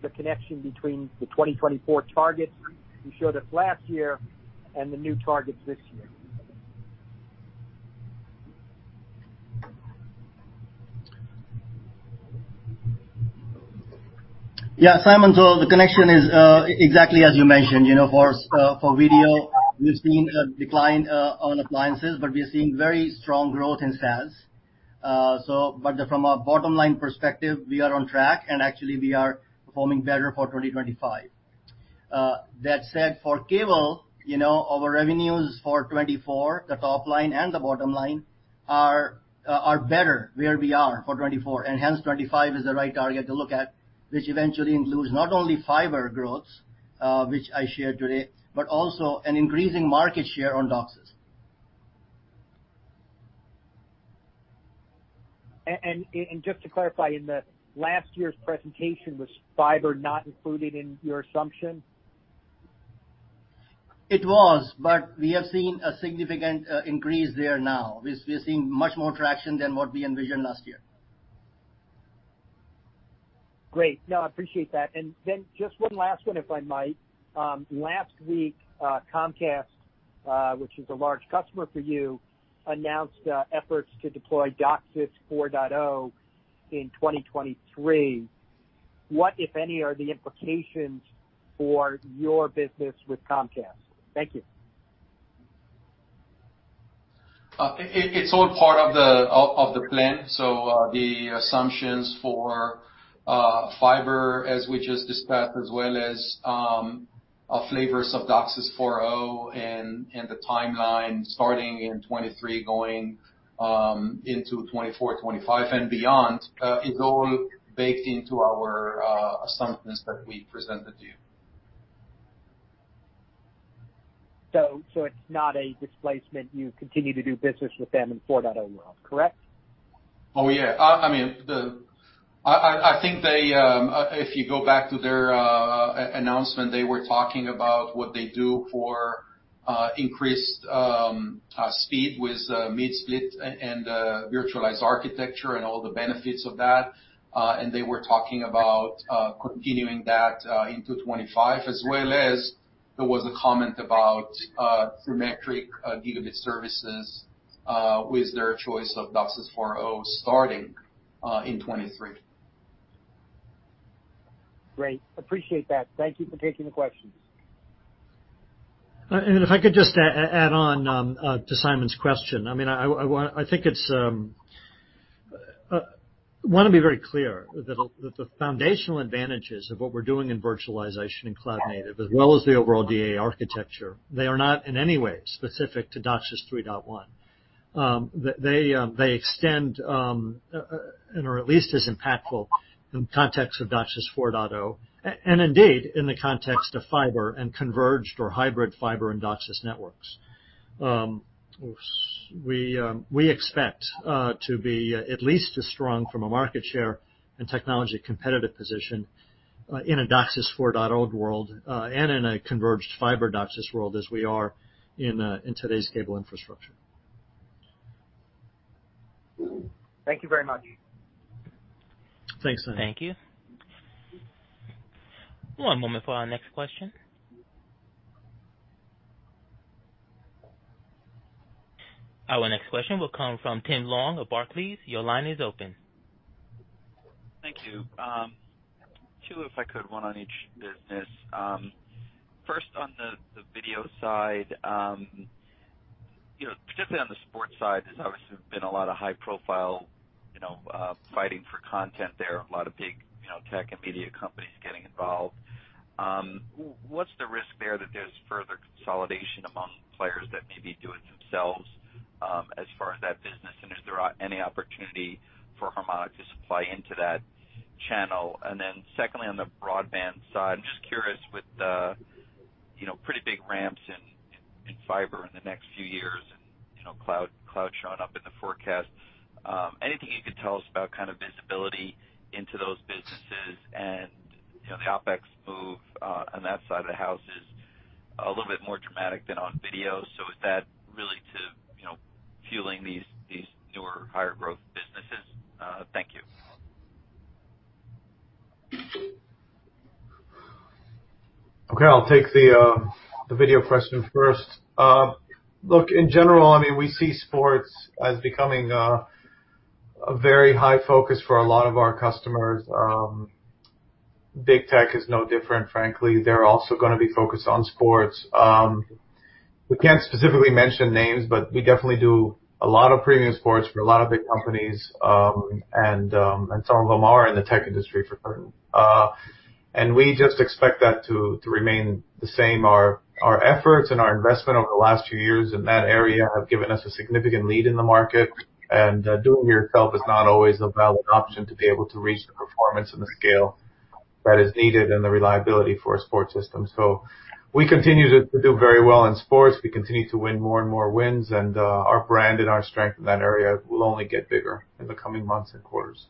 the connection between the 2024 targets you showed us last year and the new targets this year. Yeah, Simon. The connection is exactly as you mentioned. You know, for video, we've seen a decline on appliances, but we are seeing very strong growth in SaaS. From a bottom line perspective, we are on track, and actually we are performing better for 2025. That said, for cable, you know, our revenues for 2024, the top line and the bottom line are better where we are for 2024, and hence 2025 is the right target to look at, which eventually includes not only fiber growth, which I shared today, but also an increasing market share on DOCSIS. Just to clarify, in the last year's presentation, was fiber not included in your assumption? It was, but we have seen a significant increase there now. We're seeing much more traction than what we envisioned last year. Great. No, I appreciate that. Then just one last one, if I might. Last week, Comcast, which is a large customer for you, announced efforts to deploy DOCSIS 4.0 in 2023. What, if any, are the implications for your business with Comcast? Thank you. It's all part of the plan. The assumptions for fiber as we just discussed, as well as flavors of DOCSIS 4.0 and the timeline starting in 2023 going into 2024, 2025 and beyond is all baked into our assumptions that we presented to you. It's not a displacement. You continue to do business with them in 4.0 world, correct? Oh, yeah. I mean, I think they, if you go back to their announcement, they were talking about what they do for increased speed with mid-split and virtualized architecture and all the benefits of that. They were talking about continuing that into 2025, as well as there was a comment about symmetric gigabit services with their choice of DOCSIS 4.0 starting in 2023. Great. Appreciate that. Thank you for taking the questions. If I could just add on to Simon's question. I mean, I want to be very clear that the foundational advantages of what we're doing in virtualization and cloud-native, as well as the overall DAA architecture, they are not in any way specific to DOCSIS 3.1. They extend and are at least as impactful in the context of DOCSIS 4.0, and indeed in the context of fiber and converged or hybrid fiber in DOCSIS networks. We expect to be at least as strong from a market share and technology competitive position in a DOCSIS 4.0 world and in a converged fiber DOCSIS world as we are in today's cable infrastructure. Thank you very much. Thanks. Thank you. One moment for our next question. Our next question will come from Tim Long of Barclays. Your line is open. Thank you. Two, if I could, one on each business. First on the video side, you know, particularly on the sports side, there's obviously been a lot of high profile, you know, fighting for content there, a lot of big, you know, tech and media companies getting involved. What's the risk there that there's further consolidation among players that may be doing it themselves, as far as that business? And is there any opportunity for Harmonic to supply into that channel? Secondly, on the broadband side, just curious with the, you know, pretty big ramps in fiber in the next few years and, you know, cloud showing up in the forecast, anything you could tell us about kind of visibility into those businesses and, you know, the OpEx move on that side of the house as a little bit more dramatic than on video. Is that really to, you know, fueling these newer, higher growth businesses? Thank you. Okay, I'll take the video question first. Look, in general, I mean, we see sports as becoming a very high focus for a lot of our customers. Big tech is no different, frankly. They're also gonna be focused on sports. We can't specifically mention names, but we definitely do a lot of premium sports for a lot of big companies, and some of them are in the tech industry for certain. We just expect that to remain the same. Our efforts and our investment over the last few years in that area have given us a significant lead in the market. Doing it yourself is not always a valid option to be able to reach the performance and the scale that is needed and the reliability for a sports system. We continue to do very well in sports. We continue to win more and more wins, and our brand and our strength in that area will only get bigger in the coming months and quarters.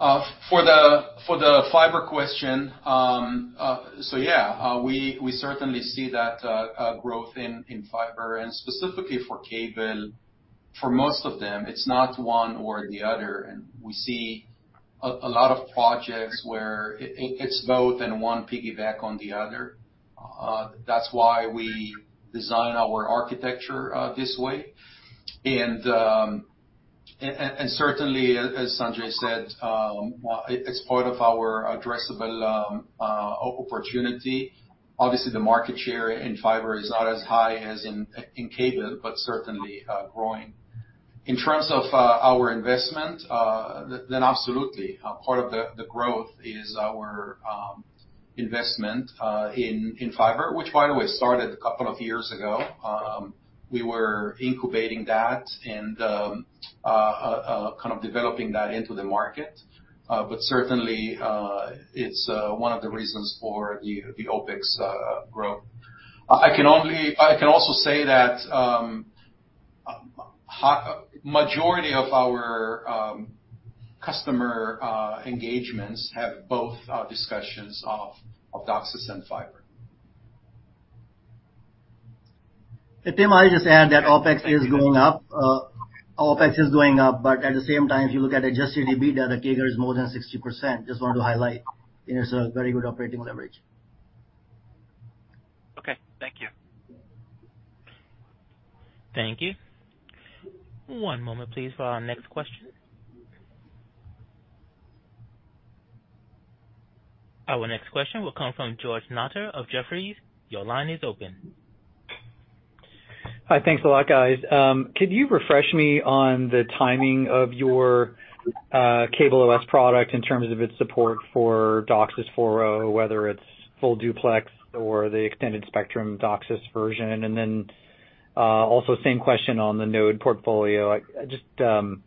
For the fiber question, yeah, we certainly see that growth in fiber and specifically for cable. For most of them, it's not one or the other, and we see a lot of projects where it's both and one piggyback on the other. That's why we design our architecture this way. Certainly, as Sanjay said, it's part of our addressable opportunity. Obviously, the market share in fiber is not as high as in cable, but certainly growing. In terms of our investment, absolutely, part of the growth is our investment in fiber, which by the way started a couple of years ago. We were incubating that and kind of developing that into the market, but certainly, it's one of the reasons for the OpEx growth. I can also say that a majority of our customer engagements have both discussions of DOCSIS and fiber. Tim, I just add that OpEx is going up, but at the same time, if you look at adjusted EBITDA, the CAGR is more than 60%. Just wanted to highlight. It is a very good operating leverage. Okay. Thank you. Thank you. One moment please for our next question. Our next question will come from George Notter of Jefferies. Your line is open. Hi. Thanks a lot, guys. Could you refresh me on the timing of your CableOS product in terms of its support for DOCSIS 4.0, whether it's Full Duplex or the Extended Spectrum DOCSIS version? Then, also same question on the node portfolio. I just, obviously,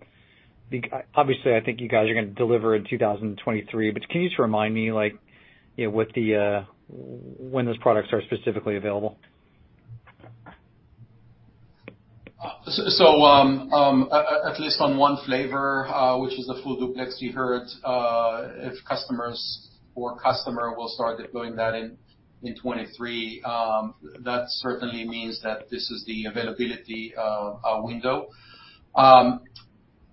I think you guys are gonna deliver in 2023, but can you just remind me, like, you know, what the, when those products are specifically available? At least on one flavor, which is the Full Duplex, you heard if customers will start deploying that in 2023, that certainly means that this is the availability window.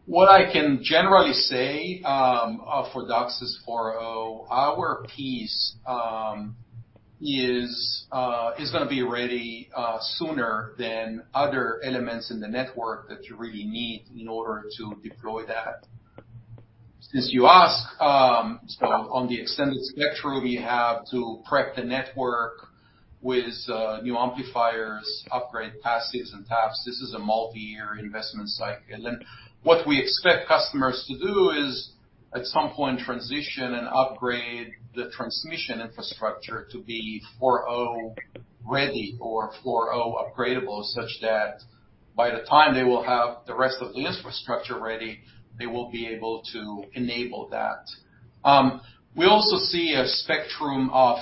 What I can generally say for DOCSIS 4.0, our piece, is gonna be ready sooner than other elements in the network that you really need in order to deploy that. Since you asked, on the Extended Spectrum, you have to prep the network with new amplifiers, upgrade passes and taps. This is a multi-year investment cycle. What we expect customers to do is at some point transition and upgrade the transmission infrastructure to be 4.0 ready or 4.0 upgradable, such that by the time they will have the rest of the infrastructure ready, they will be able to enable that. We also see a spectrum of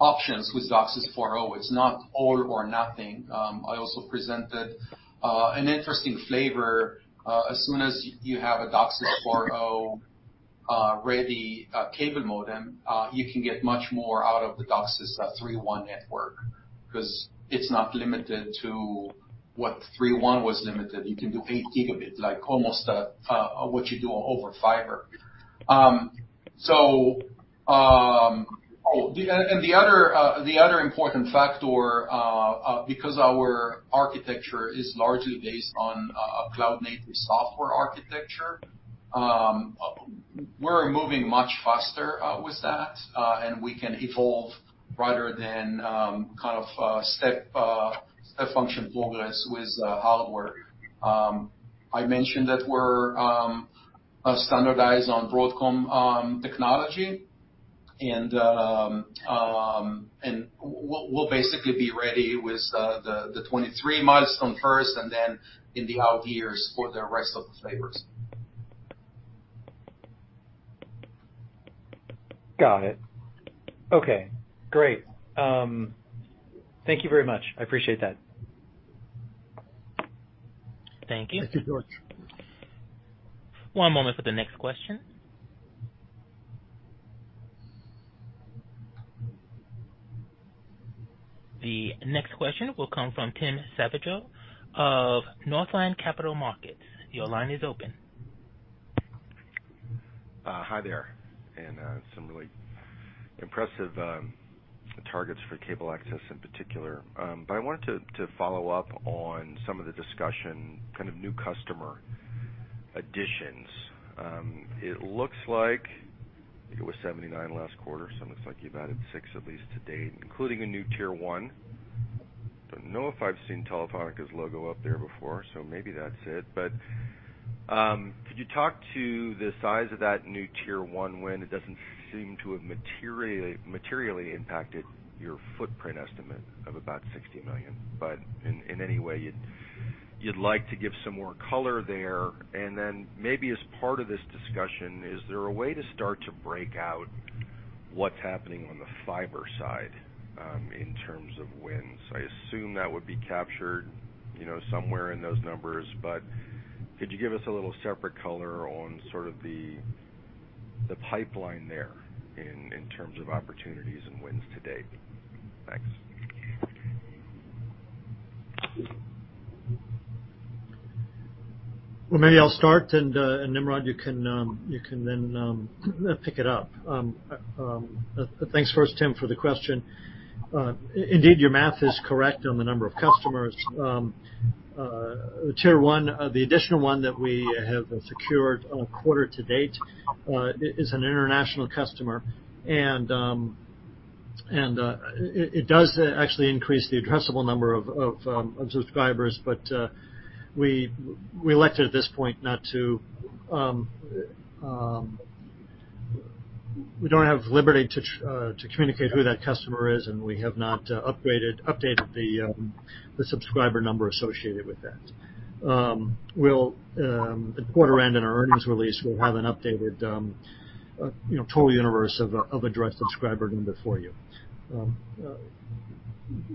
options with DOCSIS 4.0. It's not all or nothing. I also presented an interesting flavor. As soon as you have a DOCSIS 4.0 ready cable modem, you can get much more out of the DOCSIS 3.1 network, 'cause it's not limited to what 3.1 was limited. You can do 8 Gbps, like almost what you do over fiber. The other important factor, because our architecture is largely based on cloud-native software architecture, we're moving much faster with that, and we can evolve rather than kind of step function progress with hardware. I mentioned that we're standardized on Broadcom technology, and we'll basically be ready with the 23 milestone first and then in the out years for the rest of the flavors. Got it. Okay. Great. Thank you very much. I appreciate that. Thank you. Thank you, George. One moment for the next question. The next question will come from Tim Savageaux of Northland Capital Markets. Your line is open. Hi there. Some really impressive targets for cable access in particular. I wanted to follow up on some of the discussion, kind of new customer additions. It looks like it was 79 last quarter, so it looks like you've added six at least to date, including a new tier one. Don't know if I've seen Telefónica's logo up there before, so maybe that's it. Could you talk to the size of that new tier one win? It doesn't seem to have materially impacted your footprint estimate of about 60 million. In any way, you'd like to give some more color there. Then maybe as part of this discussion, is there a way to start to break out what's happening on the fiber side, in terms of wins? I assume that would be captured, you know, somewhere in those numbers. Could you give us a little separate color on sort of the pipeline there in terms of opportunities and wins to date? Thanks. Well, maybe I'll start, and Nimrod, you can then pick it up. Thanks first, Tim, for the question. Indeed, your math is correct on the number of customers. Tier one, the additional one that we have secured quarter-to-date, is an international customer. It does actually increase the addressable number of subscribers, but we elected at this point not to. We don't have liberty to communicate who that customer is, and we have not updated the subscriber number associated with that. We'll at quarter-end in our earnings release have an updated, you know, total universe of addressable subscriber number for you.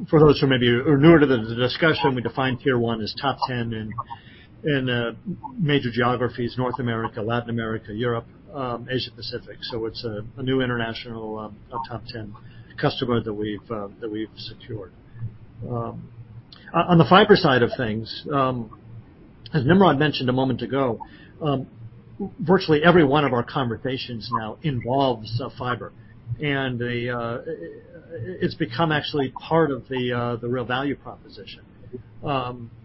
For those who may be newer to the discussion, we define tier one as top ten in major geographies, North America, Latin America, Europe, Asia Pacific. It's a new international top ten customer that we've secured. On the fiber side of things, as Nimrod mentioned a moment ago, virtually every one of our conversations now involves fiber, and it's become actually part of the real value proposition.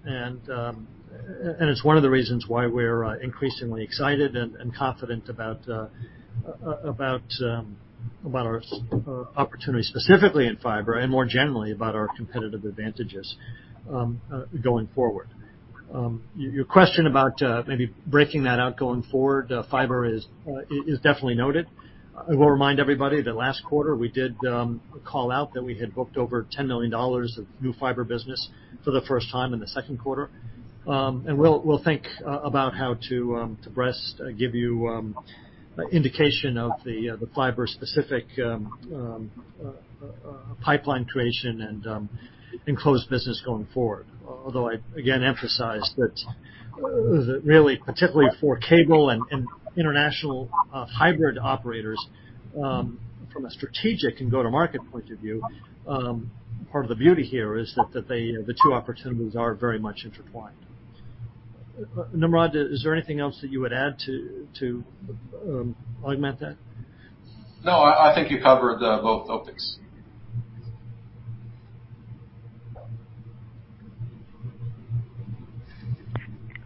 It's one of the reasons why we're increasingly excited and confident about our opportunities specifically in fiber and more generally about our competitive advantages going forward. Your question about maybe breaking that out going forward, fiber is definitely noted. I will remind everybody that last quarter, we did call out that we had booked over $10 million of new fiber business for the first time in the second quarter. We'll think about how to best give you indication of the fiber-specific pipeline creation and in-cloud business going forward. Although I again emphasize that really, particularly for cable and international hybrid operators, from a strategic and go-to-market point of view, part of the beauty here is that they, the two opportunities are very much intertwined. Nimrod, is there anything else that you would add to augment that? No, I think you covered both topics.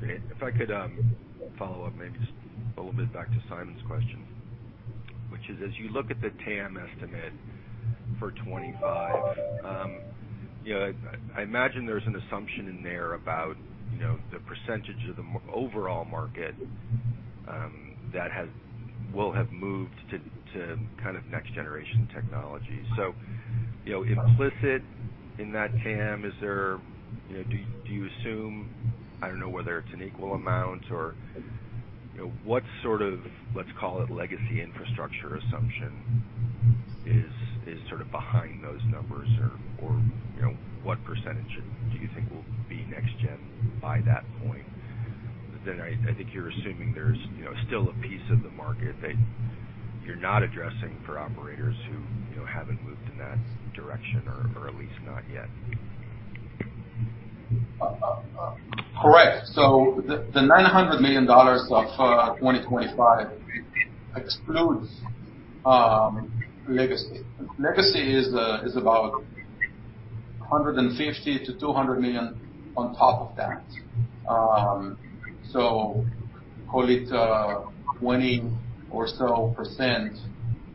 If I could follow up maybe just a little bit back to Simon's question, which is, as you look at the TAM estimate for 25, you know, I imagine there's an assumption in there about, you know, the percentage of the overall market that will have moved to kind of next-generation technology. You know, implicit in that TAM, is there, you know, do you assume, I don't know whether it's an equal amount or, you know, what sort of, let's call it, legacy infrastructure assumption is sort of behind those numbers or, you know, what percentage do you think will be next gen by that point? I think you're assuming there's, you know, still a piece of the market that you're not addressing for operators who, you know, haven't moved in that direction or at least not yet. Correct. The $900 million of 2025 excludes legacy. Legacy is about $150-200 million on top of that. Call it 20% or so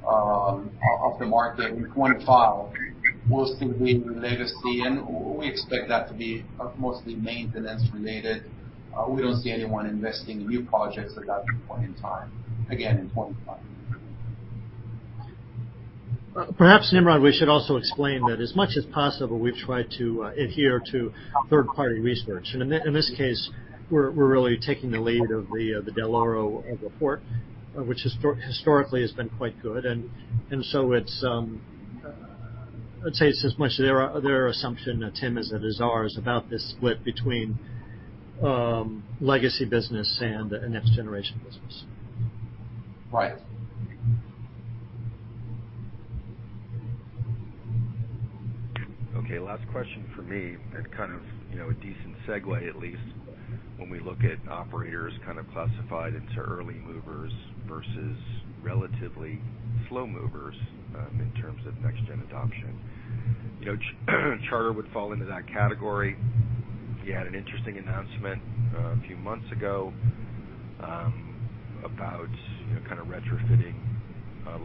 of the market in 2025 will still be legacy, and we expect that to be mostly maintenance related. We don't see anyone investing in new projects at that point in time, again, in 2025. Perhaps, Nimrod, we should also explain that as much as possible, we try to adhere to third-party research. In this case, we're really taking the lead of the Dell'Oro report, which historically has been quite good. It's as much their assumption, Tim, as it is ours about this split between legacy business and the next generation business. Right. Okay, last question for me and kind of, you know, a decent segue at least when we look at operators kind of classified into early movers versus relatively slow movers in terms of next-gen adoption. You know, Charter would fall into that category. You had an interesting announcement a few months ago about, you know, kinda retrofitting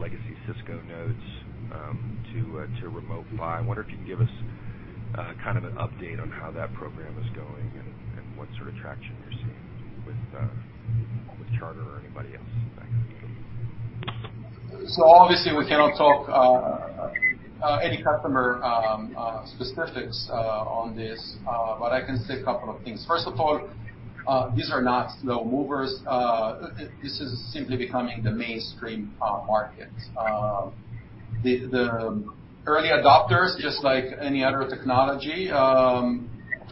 legacy Cisco nodes to Remote PHY. I wonder if you can give us kind of an update on how that program is going and what sort of traction you're seeing with Charter or anybody else in that category. Obviously, we cannot talk any customer specifics on this, but I can say a couple of things. First of all, these are not slow movers. This is simply becoming the mainstream market. The early adopters, just like any other technology,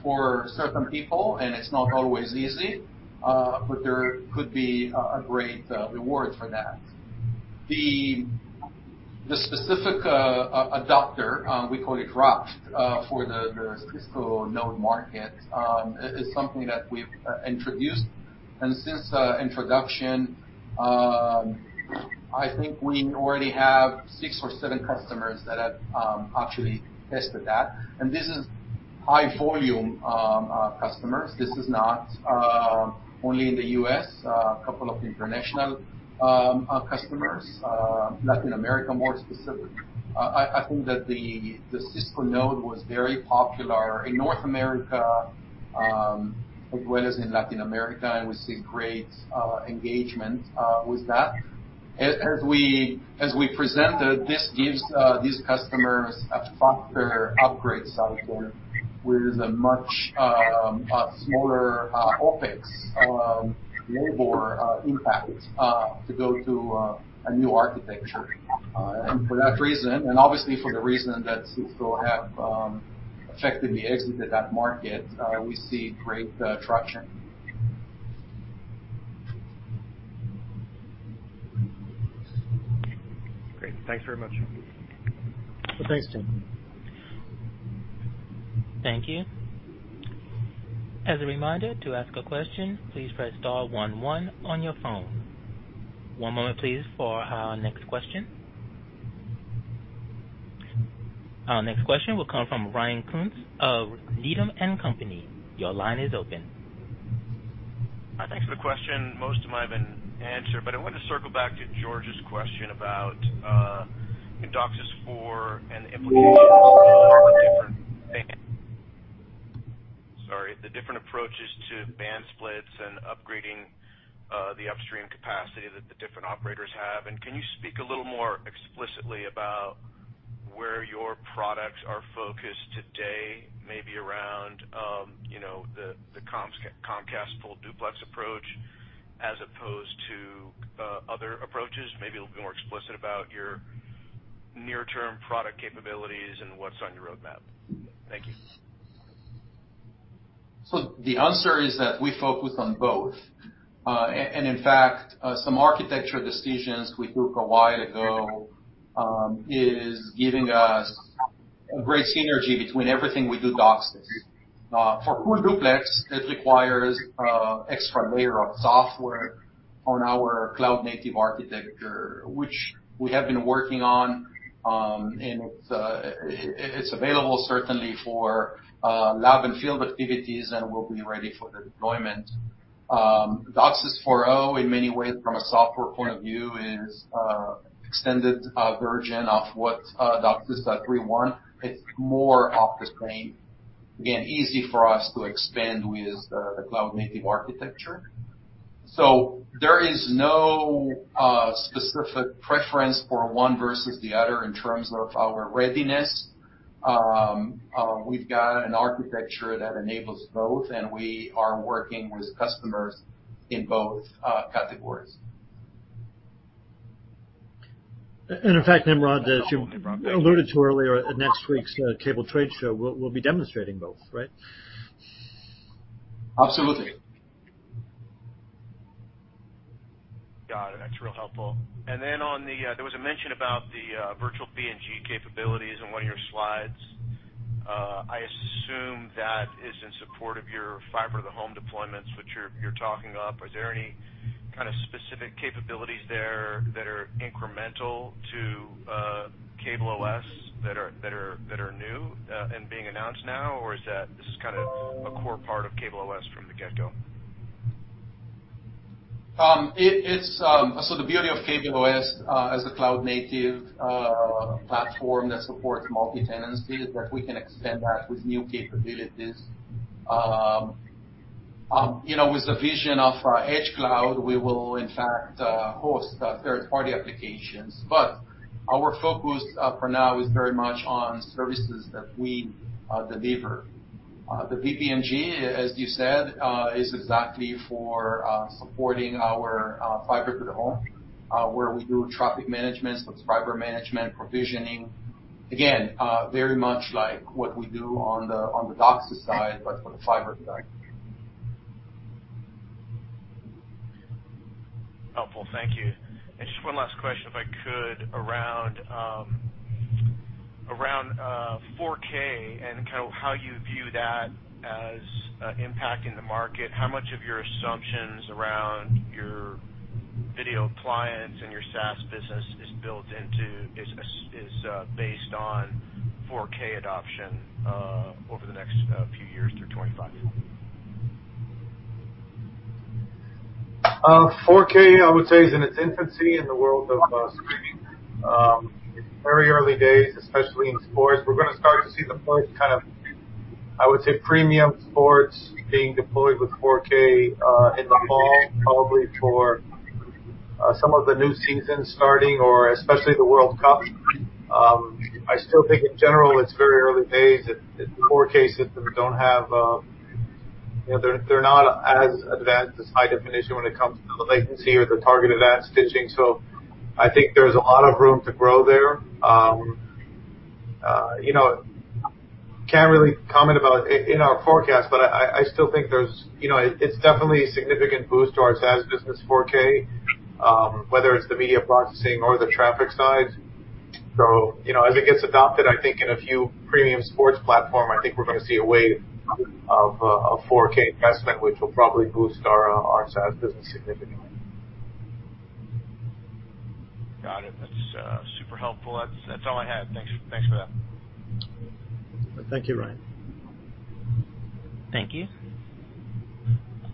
for certain people, and it's not always easy, but there could be a great reward for that. The specific adopter we call it Pebble for the Cisco node market is something that we've introduced. Since introduction, I think we already have six or seven customers that have actually tested that. This is high volume customers. This is not only in the U.S., a couple of international customers, Latin America, more specific. I think that the Cisco node was very popular in North America, as well as in Latin America, and we see great engagement with that. As we presented, this gives these customers a faster upgrade cycle with a much smaller OpEx labor impact to go to a new architecture. For that reason, and obviously for the reason that Cisco have effectively exited that market, we see great traction. Great. Thanks very much. Thanks, Tim. Thank you. As a reminder to ask a question, please press star one one on your phone. One moment, please, for our next question. Our next question will come from Ryan Koontz of Needham & Company. Your line is open. Hi. Thanks for the question. Most of mine have been answered, but I wanted to circle back to George's question about DOCSIS four and the implications for the different approaches to band splits and upgrading the upstream capacity that the different operators have. Can you speak a little more explicitly about where your products are focused today, maybe around, you know, the Comcast full duplex approach as opposed to other approaches, maybe a little bit more explicit about your near-term product capabilities and what's on your roadmap. Thank you. The answer is that we focus on both. In fact, some architecture decisions we took a while ago is giving us a great synergy between everything we do DOCSIS. For Full Duplex, it requires extra layer of software on our cloud-native architecture, which we have been working on, and it's available certainly for lab and field activities, and we'll be ready for the deployment. DOCSIS 4.0 in many ways from a software point of view is extended version of what DOCSIS 3.1. It's more off the shelf. Again, easy for us to expand with the cloud-native architecture. There is no specific preference for one versus the other in terms of our readiness. We've got an architecture that enables both, and we are working with customers in both categories. In fact, Nimrod, as you alluded to earlier, at next week's SCTE Cable-Tec Expo, we'll be demonstrating both, right? Absolutely. Got it. That's real helpful. There was a mention about the virtual BNG capabilities in one of your slides. I assume that is in support of your fiber-to-the-home deployments, which you're talking up. Is there any kinda specific capabilities there that are incremental to CableOS that are new and being announced now? Or is that this is kinda a core part of CableOS from the get-go? The beauty of CableOS as a cloud native platform that supports multi-tenancy is that we can extend that with new capabilities. You know, with the vision of our edge cloud, we will in fact host third-party applications. Our focus for now is very much on services that we deliver. The vBNG, as you said, is exactly for supporting our fiber to the home, where we do traffic management, subscriber management, provisioning. Again, very much like what we do on the DOCSIS side, but for the fiber side. Helpful. Thank you. Just one last question, if I could, around 4K and kind of how you view that as impacting the market. How much of your assumptions around your video clients and your SaaS business is based on 4K adoption over the next few years through 2025? 4K, I would say, is in its infancy in the world of streaming. Very early days, especially in sports. We're gonna start to see the point kind of, I would say premium sports being deployed with 4K in the fall, probably for some of the new seasons starting or especially the World Cup. I still think in general it's very early days that the 4K systems don't have, you know, they're not as advanced as high definition when it comes to the latency or the target advanced stitching. So I think there's a lot of room to grow there. You know, can't really comment about it in our forecast, but I still think there's, you know, it's definitely a significant boost to our SaaS business 4K, whether it's the media processing or the traffic side. You know, as it gets adopted, I think in a few premium sports platform, I think we're gonna see a wave of 4K investment, which will probably boost our SaaS business significantly. Got it. That's super helpful. That's all I had. Thanks for that. Thank you, Ryan. Thank you.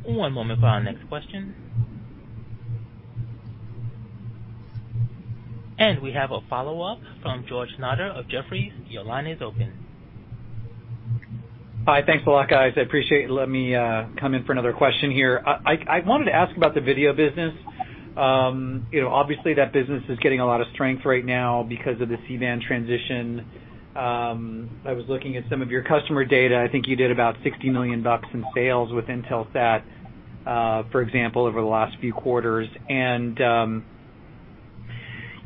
One moment for our next question. We have a follow-up from George Notter of Jefferies. Your line is open. Hi. Thanks a lot, guys. I appreciate you letting me come in for another question here. I wanted to ask about the video business. You know, obviously that business is getting a lot of strength right now because of the C-band transition. I was looking at some of your customer data. I think you did about $60 million in sales with Intelsat, for example, over the last few quarters. You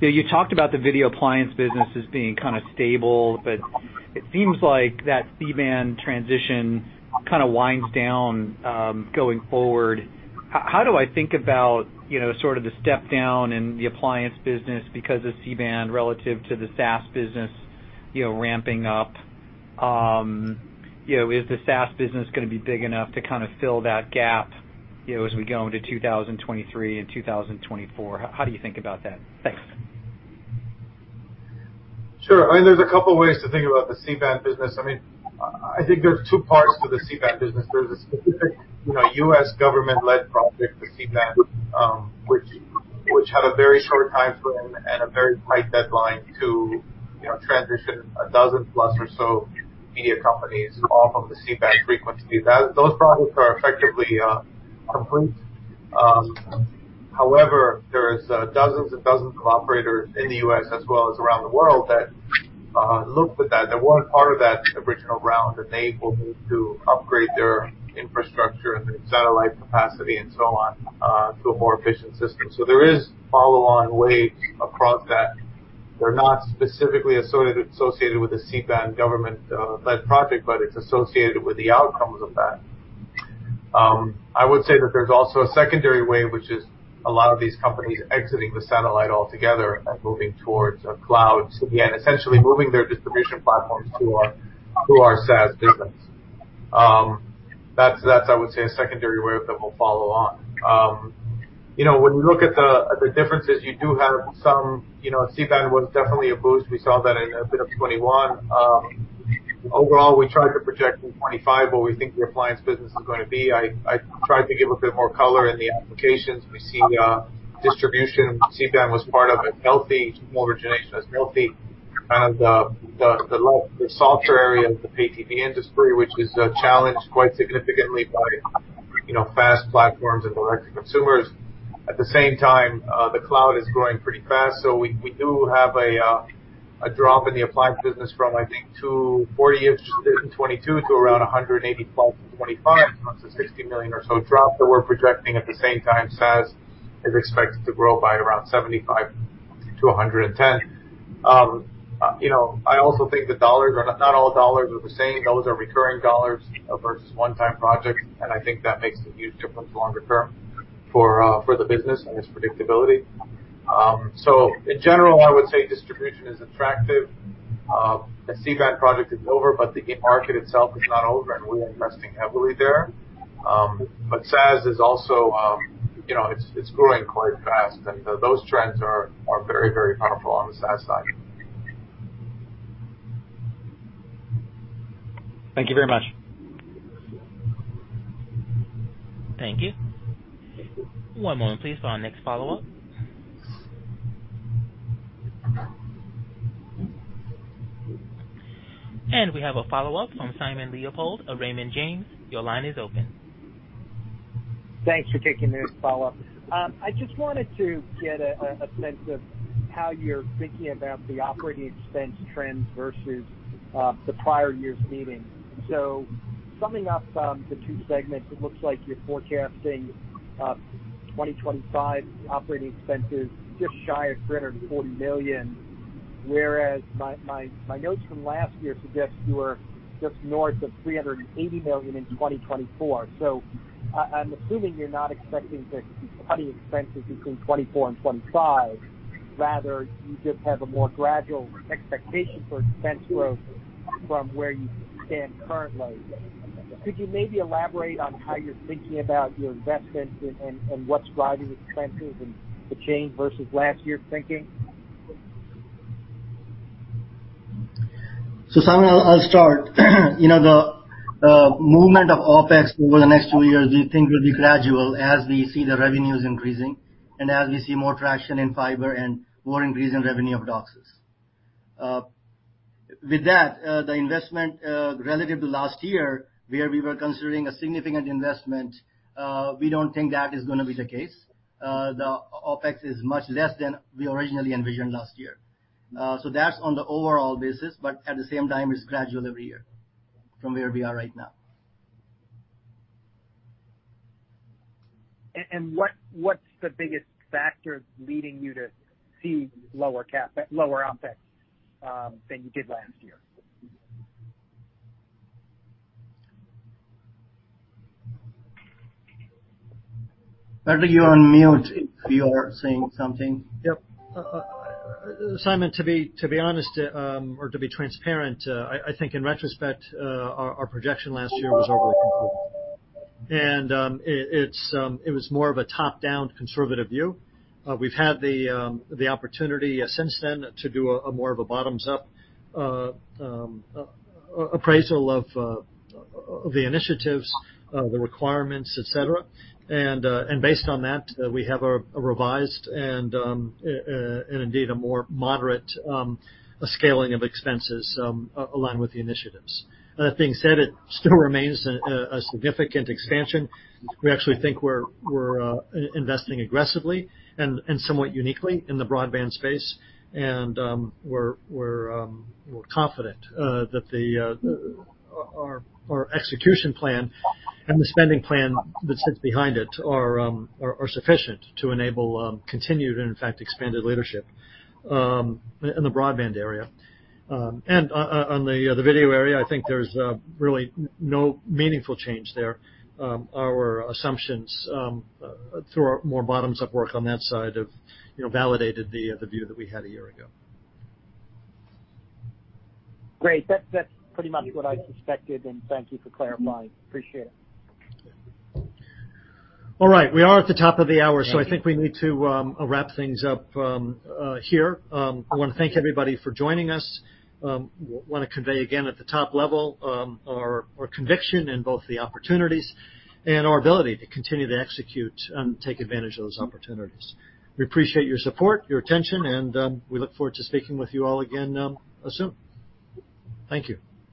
know, you talked about the video appliance business as being kind of stable, but it seems like that C-band transition kind of winds down, going forward. How do I think about, you know, sort of the step down in the appliance business because of C-band relative to the SaaS business, you know, ramping up? You know, is the SaaS business gonna be big enough to kind of fill that gap, you know, as we go into 2023 and 2024? How do you think about that? Thanks. Sure. I mean, there's a couple of ways to think about the C-band business. I mean, I think there's two parts to the C-band business. There's a specific, you know, U.S. government-led project for C-band, which had a very short timeframe and a very tight deadline to, you know, transition 12 plus or so media companies off of the C-band frequency. Those projects are effectively complete. However, there's dozens and dozens of operators in the U.S. as well as around the world that looked at that. They weren't part of that original round, and they will need to upgrade their infrastructure and their satellite capacity and so on to a more efficient system. So there is follow on waves across that. They're not specifically associated with the C-band government-led project, but it's associated with the outcomes of that. I would say that there's also a secondary wave, which is a lot of these companies exiting the satellite altogether and moving towards a cloud, and essentially moving their distribution platforms to our SaaS business. That's a secondary wave that will follow on. You know, when you look at the differences, you do have some, you know, C-band was definitely a boost. We saw that in a bit of 2021. Overall, we tried to project in 2025 what we think the appliance business is gonna be. I tried to give a bit more color in the applications. We see distribution. C-band was part of a healthy migration, the software area of the pay TV industry, which is challenged quite significantly by, you know, FAST platforms and direct to consumers. At the same time, the cloud is growing pretty fast, so we do have a drop in the appliance business from, I think, $240 million in 2022 to around $184 million in 2025. That's a $60 million or so drop that we're projecting. At the same time, SaaS is expected to grow by around $75-110 million. You know, I also think the dollars are not all the same. Those are recurring dollars versus one-time projects, and I think that makes a huge difference longer term for the business and its predictability. So in general, I would say distribution is attractive. The C-band project is over, but the market itself is not over and we're investing heavily there. SaaS is also, you know, it's growing quite fast, and those trends are very powerful on the SaaS side. Thank you very much. Thank you. One moment, please, for our next follow-up. We have a follow-up from Simon Leopold of Raymond James. Your line is open. Thanks for taking this follow-up. I just wanted to get a sense of how you're thinking about the operating expense trends versus the prior year's meeting. Summing up the two segments, it looks like you're forecasting 2025 operating expenses just shy of $340 million, whereas my notes from last year suggest you were just north of $380 million in 2024. I'm assuming you're not expecting to see cutting expenses between 2024 and 2025. Rather, you just have a more gradual expectation for expense growth from where you stand currently. Could you maybe elaborate on how you're thinking about your investments and what's driving the expenses and the change versus last year's thinking? Simon, I'll start. The movement of OpEx over the next two years we think will be gradual as we see the revenues increasing and as we see more traction in fiber and more increase in revenue of DOCSIS. With that, the investment relative to last year, where we were considering a significant investment, we don't think that is gonna be the case. The OpEx is much less than we originally envisioned last year. That's on the overall basis, but at the same time, it's gradual every year from where we are right now. What's the biggest factor leading you to see lower OpEx than you did last year? Barry, you're on mute if you're saying something. Yep. Simon, to be honest or to be transparent, I think in retrospect, our projection last year was overly inclusive. It was more of a top-down conservative view. We've had the opportunity since then to do a more of a bottoms-up appraisal of the initiatives, the requirements, et cetera. Based on that, we have a revised and indeed a more moderate scaling of expenses, along with the initiatives. That being said, it still remains a significant expansion. We actually think we're investing aggressively and somewhat uniquely in the broadband space. We're confident that our execution plan and the spending plan that sits behind it are sufficient to enable continued, and in fact, expanded leadership in the broadband area. On the video area, I think there's really no meaningful change there. Our assumptions through our more bottoms-up work on that side have, you know, validated the view that we had a year ago. Great. That's pretty much what I suspected, and thank you for clarifying. Appreciate it. All right, we are at the top of the hour, so I think we need to wrap things up here. I wanna thank everybody for joining us. Wanna convey again at the top level our conviction in both the opportunities and our ability to continue to execute and take advantage of those opportunities. We appreciate your support, your attention, and we look forward to speaking with you all again soon. Thank you.